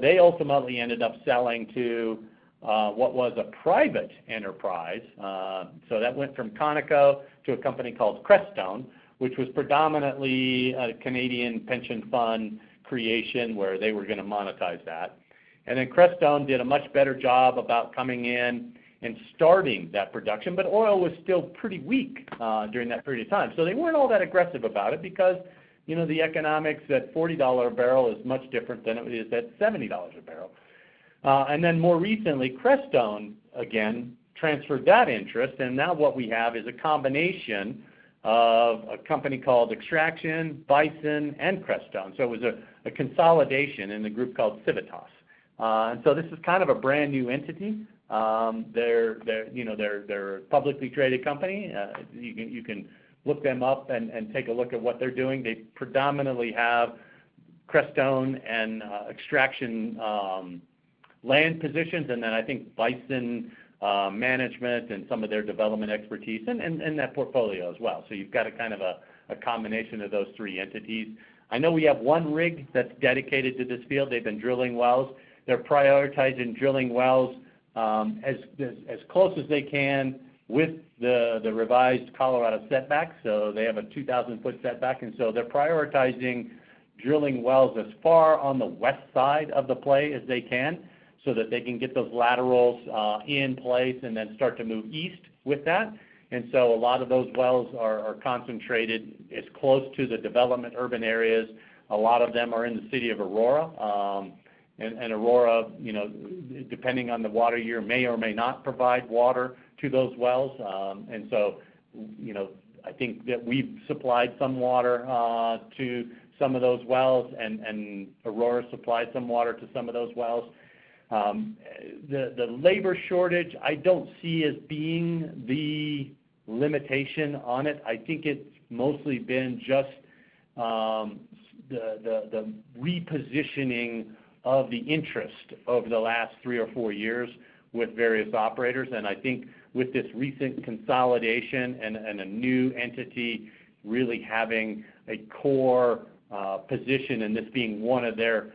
They ultimately ended up selling to what was a private enterprise. That went from Conoco to a company called Crestone, which was predominantly a Canadian pension fund creation where they were gonna monetize that. Crestone did a much better job about coming in and starting that production, but oil was still pretty weak during that period of time. They weren't all that aggressive about it because, you know, the economics at $40 a barrel is much different than it is at $70 a barrel. And then more recently, Crestone again transferred that interest, and now what we have is a combination of a company called Extraction, Bonanza, and Crestone. It was a consolidation in the group called Civitas. This is kind of a brand-new entity. They're a publicly traded company. You can look them up and take a look at what they're doing. They predominantly have Crestone and Extraction land positions, and then I think Bonanza management and some of their development expertise and that portfolio as well. You've got a kind of a combination of those three entities. I know we have one rig that's dedicated to this field. They've been drilling wells. They're prioritizing drilling wells as close as they can with the revised Colorado setbacks. They have a 2,000-foot setback, and they're prioritizing drilling wells as far on the west side of the play as they can so that they can get those laterals in place and then start to move east with that. A lot of those wells are concentrated as close to the developed urban areas. A lot of them are in the city of Aurora, and Aurora, you know, depending on the water year, may or may not provide water to those wells. You know, I think that we've supplied some water to some of those wells and Aurora supplied some water to some of those wells. The labor shortage, I don't see as being the limitation on it. I think it's mostly been just the repositioning of the interest over the last three or four years with various operators. I think with this recent consolidation and a new entity really having a core position and this being one of their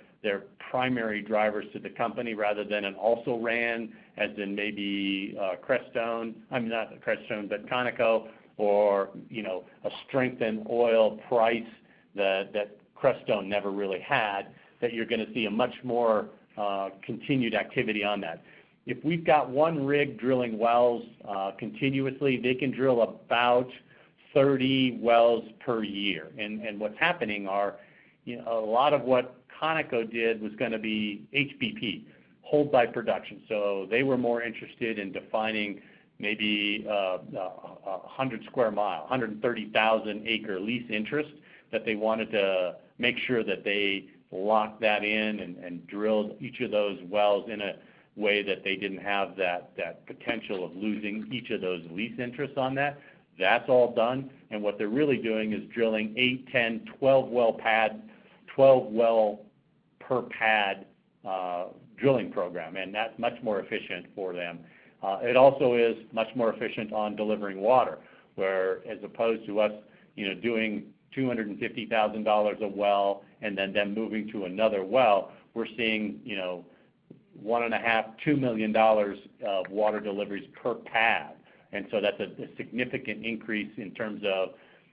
primary drivers to the company rather than an also-ran as in maybe Crestone, I mean, not Crestone, but Conoco or, you know, a strengthened oil price that Crestone never really had, that you're gonna see a much more continued activity on that. If we've got one rig drilling wells, continuously, they can drill about 30 wells per year. What's happening are, you know, a lot of what Conoco did was gonna be HBP, hold by production. They were more interested in defining maybe a 100-square-mile, 130,000-acre lease interest that they wanted to make sure that they locked that in and drilled each of those wells in a way that they didn't have that potential of losing each of those lease interests on that. That's all done. What they're really doing is drilling 8-, 10-, 12-well pad, 12-well per pad drilling program, and that's much more efficient for them. It also is much more efficient on delivering water, whereas as opposed to us, you know, doing $250,000 a well and then them moving to another well, we're seeing, you know, $1.5 to $2 million of water deliveries per pad. That's a significant increase in terms of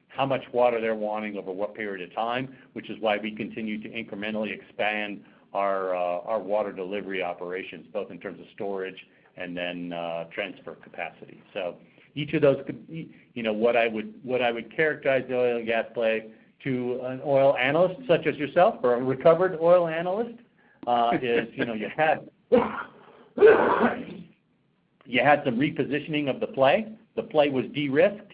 how much water they're wanting over what period of time, which is why we continue to incrementally expand our water delivery operations, both in terms of storage and then transfer capacity. Each of those could, you know, what I would characterize the oil and gas play to an oil analyst such as yourself or a recovered oil analyst is, you know, you had some repositioning of the play. The play was de-risked.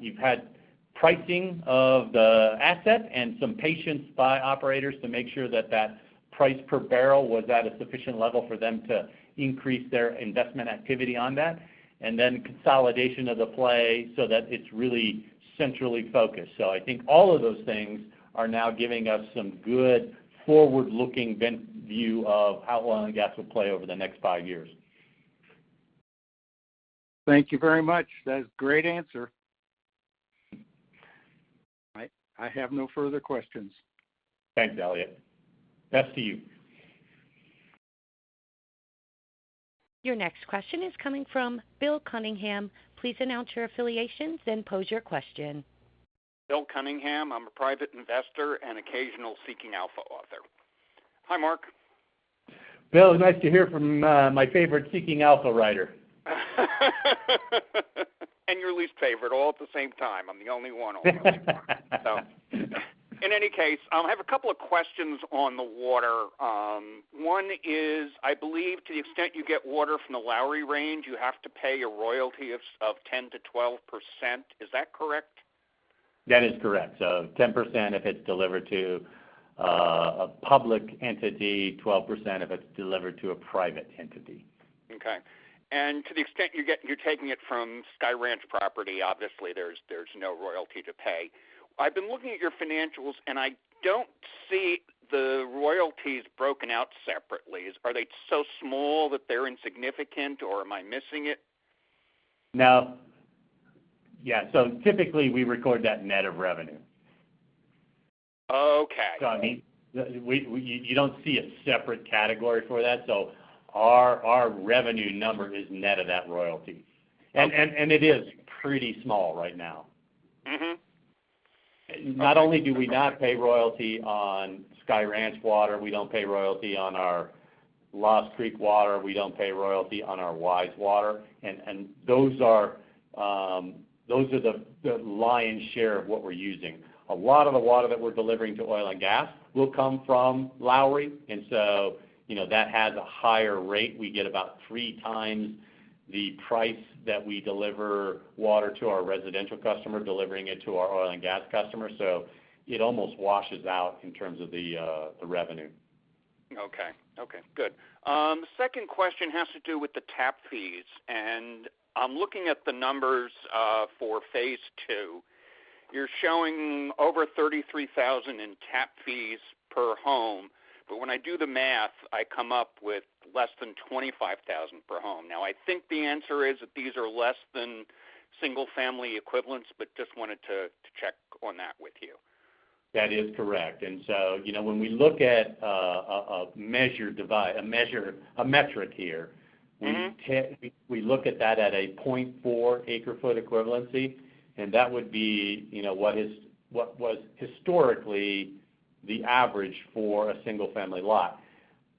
You've had pricing of the asset and some patience by operators to make sure that that price per barrel was at a sufficient level for them to increase their investment activity on that, and then consolidation of the play so that it's really centrally focused. I think all of those things are now giving us some good forward-looking vantage view of how oil and gas will play over the next five-years. Thank you very much. That is a great answer. I have no further questions. Thanks, Elliot. Best to you. Your next question is coming from Bill Cunningham. Please announce your affiliations, then pose your question. Bill Cunningham. I'm a private investor and occasional Seeking Alpha author. Hi, Mark. Bill, nice to hear from my favorite Seeking Alpha writer. Your least favorite, all at the same time. I'm the only one over there. In any case, I'll have a couple of questions on the water. One is, I believe to the extent you get water from the Lowry Range, you have to pay a royalty of 10%-12%. Is that correct? That is correct. 10% if it's delivered to a public entity, 12% if it's delivered to a private entity. Okay. To the extent you're taking it from Sky Ranch property, obviously there's no royalty to pay. I've been looking at your financials, and I don't see the royalties broken out separately. Are they so small that they're insignificant, or am I missing it? No. Yeah, typically we record that net of revenue. Okay. I mean, you don't see a separate category for that. Our revenue number is net of that royalty. Okay. It is pretty small right now. Mm-hmm. Not only do we not pay royalty on Sky Ranch water, we don't pay royalty on our Lost Creek water, we don't pay royalty on our WISE water, and those are the lion's share of what we're using. A lot of the water that we're delivering to oil and gas will come from Lowry, and so, you know, that has a higher rate. We get about three times the price that we deliver water to our residential customer, delivering it to our oil and gas customers. It almost washes out in terms of the revenue. Okay. Okay, good. Second question has to do with the tap fees, and I'm looking at the numbers for phase two. You're showing over $33,000 in tap fees per home. When I do the math, I come up with less than $25,000 per home. Now, I think the answer is that these are less than single family equivalents, but just wanted to check on that with you. That is correct. You know, when we look at a metric here. Mm-hmm We look at that at a 0.4 acre-foot equivalency, and that would be, you know, what was historically the average for a single family lot.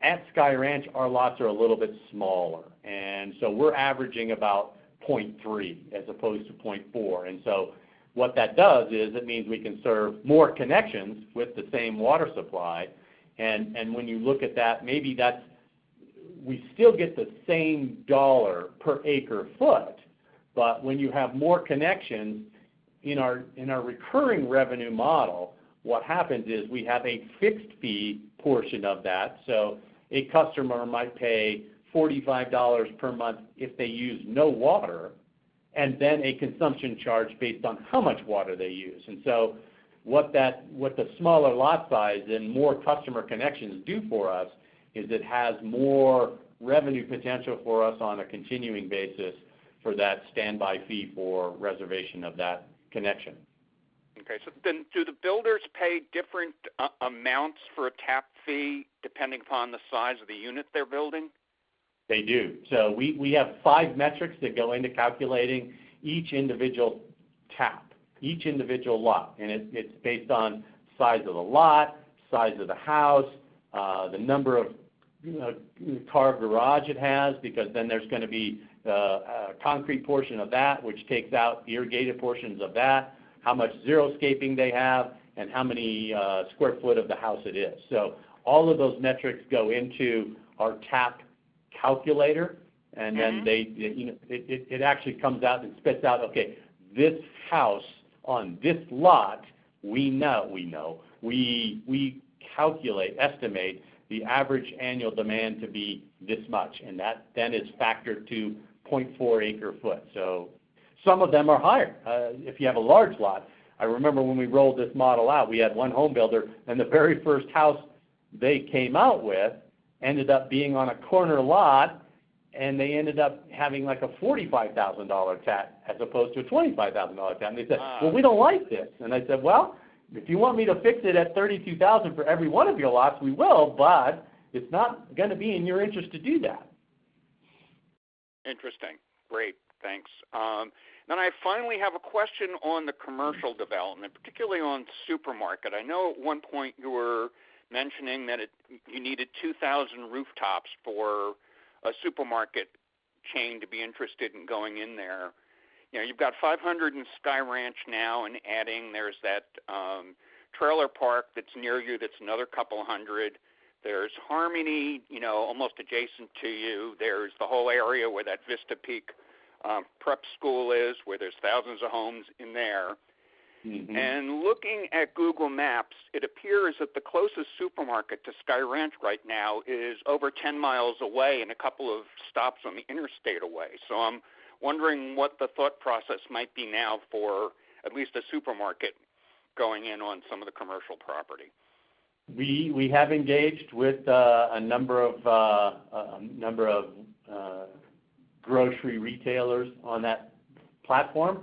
At Sky Ranch, our lots are a little bit smaller, and so we're averaging about 0.3 as opposed to 0.4. What that does is it means we can serve more connections with the same water supply. When you look at that, maybe that's, we still get the same dollar per acre-foot, but when you have more connections, in our recurring revenue model, what happens is we have a fixed fee portion of that. A customer might pay $45 per month if they use no water, and then a consumption charge based on how much water they use. What the smaller lot size and more customer connections do for us is it has more revenue potential for us on a continuing basis for that standby fee for reservation of that connection. Okay. Do the builders pay different amounts for a tap fee, depending upon the size of the unit they're building? They do. We have five metrics that go into calculating each individual tap, each individual lot, and it's based on size of the lot, size of the house, the number of, you know, car garage it has, because then there's gonna be a concrete portion of that which takes out the irrigated portions of that, how much xeriscaping they have, and how many square foot of the house it is. All of those metrics go into our tap calculator, and then they- Mm-hmm You know, it actually comes out and spits out, okay, this house on this lot, we know. We calculate, estimate the average annual demand to be this much, and that then is factored to 0.4 acre-foot. Some of them are higher if you have a large lot. I remember when we rolled this model out, we had one home builder, and the very first house they came out with ended up being on a corner lot, and they ended up having, like, a $45,000 tap as opposed to a $25,000 tap. They said- Ah. Well, we don't like this." I said, "Well, if you want me to fix it at $32,000 for every one of your lots, we will, but it's not gonna be in your interest to do that. Interesting. Great. Thanks. I finally have a question on the commercial development, particularly on supermarket. I know at one point you were mentioning you needed 2,000 rooftops for a supermarket chain to be interested in going in there. You know, you've got 500 in Sky Ranch now and adding there's that trailer park that's near you, that's another couple hundred. There's Harmony, you know, almost adjacent to you. There's the whole area where that Vista Peak prep school is, where there's thousands of homes in there. Mm-hmm. Looking at Google Maps, it appears that the closest supermarket to Sky Ranch right now is over 10-miles away and a couple of stops on the interstate away. I'm wondering what the thought process might be now for at least a supermarket going in on some of the commercial property. We have engaged with a number of grocery retailers on that platform.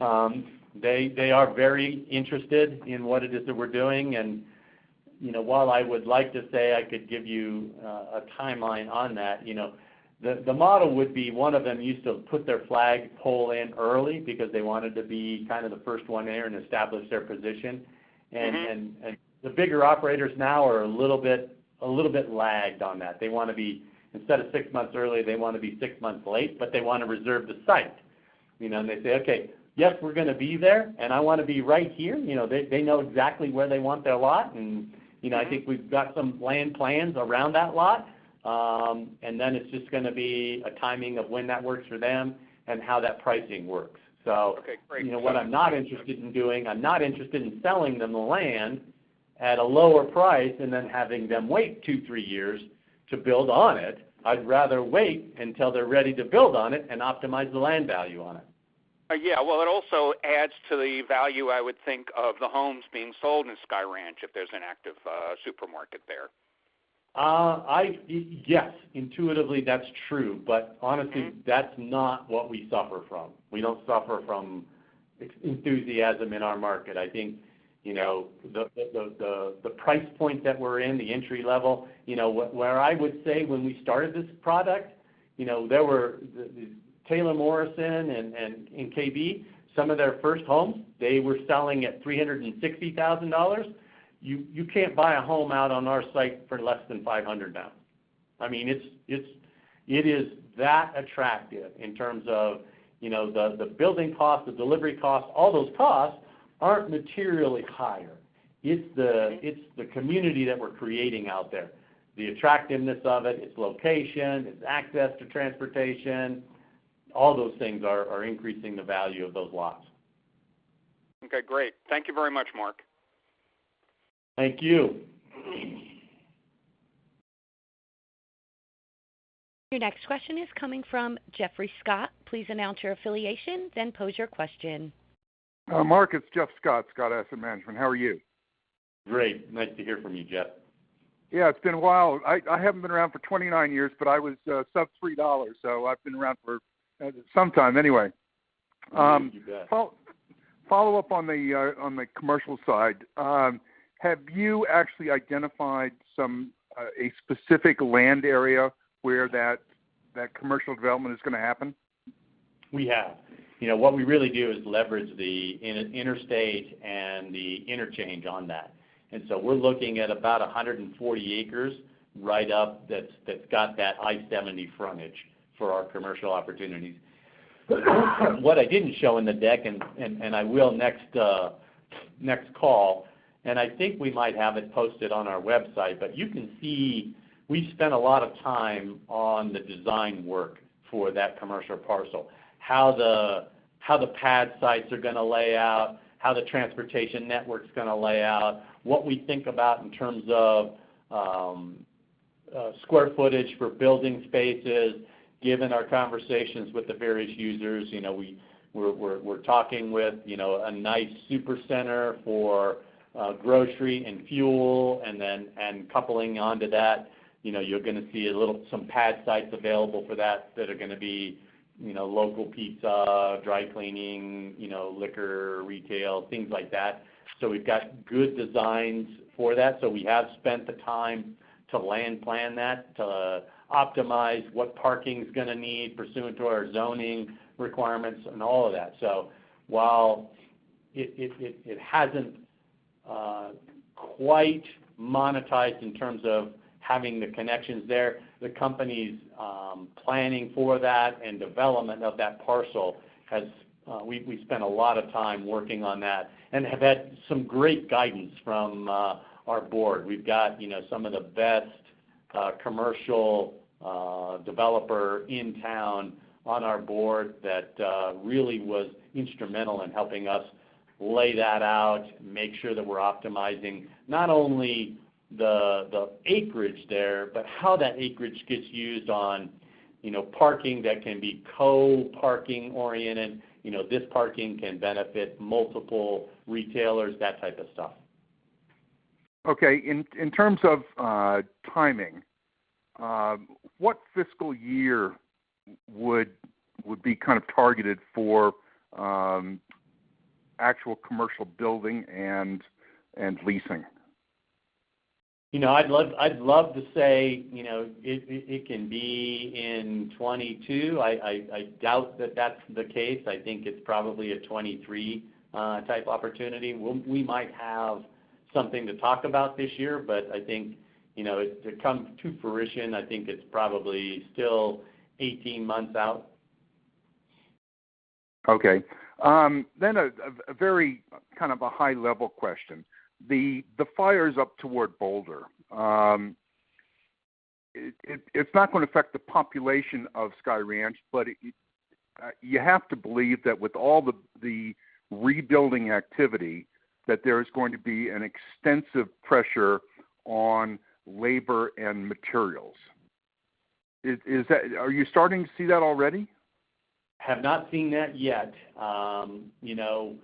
They are very interested in what it is that we're doing and you know, while I would like to say I could give you a timeline on that, you know, the model would be one of them used to put their flagpole in early because they wanted to be kind of the first one there and establish their position. Mm-hmm. The bigger operators now are a little bit lagged on that. They wanna be instead of six months early, they wanna be six months late, but they wanna reserve the site, you know? They say, "Okay, yes, we're gonna be there, and I wanna be right here." You know, they know exactly where they want their lot. You know, I think we've got some land plans around that lot. Then it's just gonna be a timing of when that works for them and how that pricing works. Okay, great. You know, what I'm not interested in doing, I'm not interested in selling them the land at a lower price and then having them wait 2, 3 years to build on it. I'd rather wait until they're ready to build on it and optimize the land value on it. Yeah. Well, it also adds to the value, I would think, of the homes being sold in Sky Ranch if there's an active supermarket there. Yes, intuitively that's true. Honestly Mm-hmm That's not what we suffer from. We don't suffer from excess enthusiasm in our market. I think, you know, the price point that we're in, the entry level, you know, where I would say when we started this product, you know, there were Taylor Morrison and KB, some of their first homes, they were selling at $360,000. You can't buy a home out on our site for less than $500,000 now. I mean, it's that attractive in terms of, you know, the building cost, the delivery cost. All those costs aren't materially higher. It's the community that we're creating out there, the attractiveness of it, its location, its access to transportation. All those things are increasing the value of those lots. Okay, great. Thank you very much, Mark. Thank you. Your next question is coming from Geoffrey Scott. Please announce your affiliation, then pose your question. Mark, it's Jeff Scott Asset Management. How are you? Great. Nice to hear from you, Jeff. Yeah, it's been a while. I haven't been around for 29-years, but I was sub $3, so I've been around for some time anyway. You bet. Follow up on the, on the commercial side. Have you actually identified a specific land area where that commercial development is gonna happen? We have. You know, what we really do is leverage the interstate and the interchange on that. We're looking at about 140 acres right up that's got that I-70 frontage for our commercial opportunities. What I didn't show in the deck, and I will next call, and I think we might have it posted on our website, but you can see we spent a lot of time on the design work for that commercial parcel, how the pad sites are gonna lay out, how the transportation network's gonna lay out, what we think about in terms of square footage for building spaces, given our conversations with the various users. You know, we're talking with, you know, a nice super center for grocery and fuel, and then, and coupling onto that, you know, you're gonna see a little, some pad sites available for that that are gonna be, you know, local pizza, dry cleaning, you know, liquor, retail, things like that. We've got good designs for that. We have spent the time to land plan that, to optimize what parking's gonna need pursuant to our zoning requirements and all of that. While it hasn't quite monetized in terms of having the connections there, the company's planning for that and development of that parcel has. We spent a lot of time working on that and have had some great guidance from our board. We've got, you know, some of the best, commercial developer in town on our board that really was instrumental in helping us lay that out, make sure that we're optimizing not only the acreage there, but how that acreage gets used on, you know, parking that can be co-parking oriented. You know, this parking can benefit multiple retailers, that type of stuff. Okay. In terms of timing, what fiscal year would be kind of targeted for actual commercial building and leasing? You know, I'd love to say, you know, it can be in 2022. I doubt that that's the case. I think it's probably a 2023 type opportunity. We might have something to talk about this year, but I think, you know, it comes to fruition, I think it's probably still 18-months out. Okay. A very kind of high-level question. The fires up toward Boulder, it's not gonna affect the population of Sky Ranch, but you have to believe that with all the rebuilding activity that there is going to be an extensive pressure on labor and materials. Is that? Are you starting to see that already? Have not seen that yet. You know,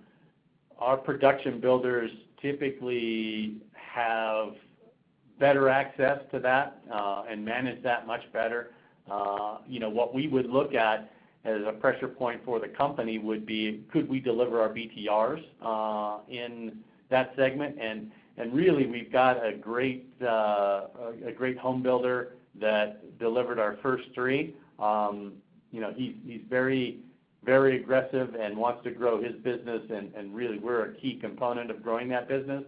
our production builders typically have better access to that, and manage that much better. You know, what we would look at as a pressure point for the company would be, could we deliver our BTRs in that segment? Really, we've got a great home builder that delivered our first three. You know, he's very aggressive and wants to grow his business, and really we're a key component of growing that business.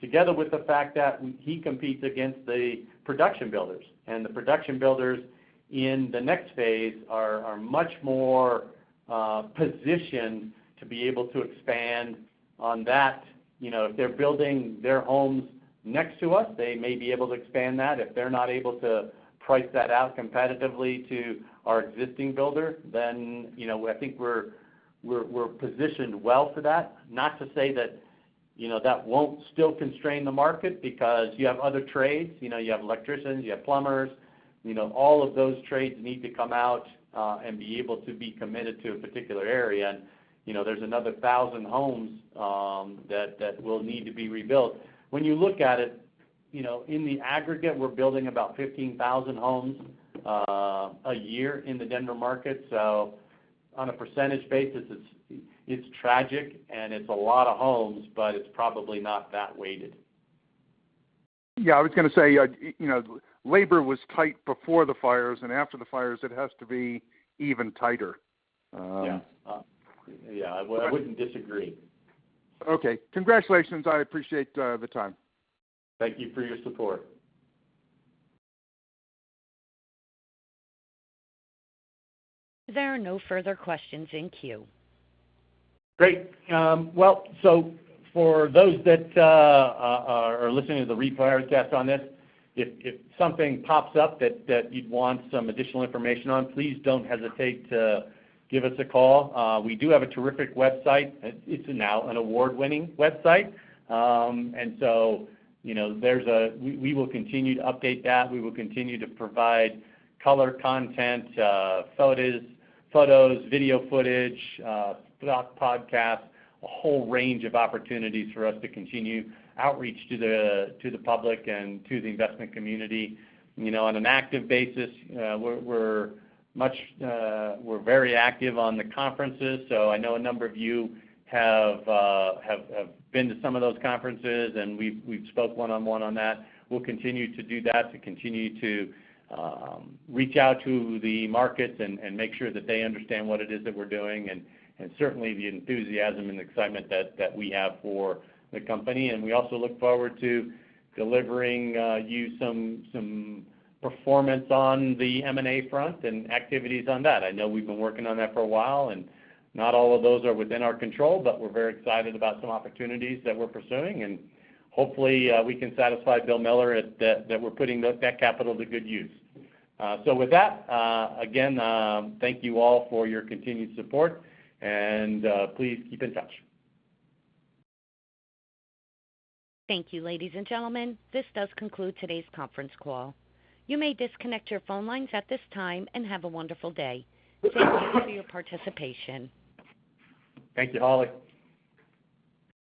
Together with the fact that he competes against the production builders, and the production builders in the next phase are much more positioned to be able to expand on that. You know, if they're building their homes next to us, they may be able to expand that. If they're not able to price that out competitively to our existing builder, then, you know, I think we're positioned well for that. Not to say that, you know, that won't still constrain the market because you have other trades. You know, you have electricians, you have plumbers. You know, all of those trades need to come out and be able to be committed to a particular area. You know, there's another 1,000 homes that will need to be rebuilt. When you look at it, you know, in the aggregate, we're building about 15,000 homes a year in the Denver market. On a percentage basis, it's tragic and it's a lot of homes, but it's probably not that weighted. Yeah. I was gonna say, you know, labor was tight before the fires, and after the fires it has to be even tighter. Yeah. Yeah, well, I wouldn't disagree. Okay. Congratulations. I appreciate the time. Thank you for your support. There are no further questions in queue. Great. For those that are listening to the replay or cast on this, if something pops up that you'd want some additional information on, please don't hesitate to give us a call. We do have a terrific website. It's now an award-winning website. You know, we will continue to update that. We will continue to provide color content, photos, video footage, podcast, a whole range of opportunities for us to continue outreach to the public and to the investment community. You know, on an active basis, we're very active on the conferences, so I know a number of you have been to some of those conferences, and we've spoke one-on-one on that. We'll continue to do that, to continue to reach out to the markets and make sure that they understand what it is that we're doing and certainly the enthusiasm and excitement that we have for the company. We also look forward to delivering you some performance on the M&A front and activities on that. I know we've been working on that for a while, and not all of those are within our control, but we're very excited about some opportunities that we're pursuing. Hopefully, we can satisfy Bill Miller that we're putting that capital to good use. With that, thank you all for your continued support and please keep in touch. Thank you, ladies and gentlemen. This does conclude today's Conference Call. You may disconnect your phone lines at this time, and have a wonderful day. Thank you for your participation. Thank you, Holly.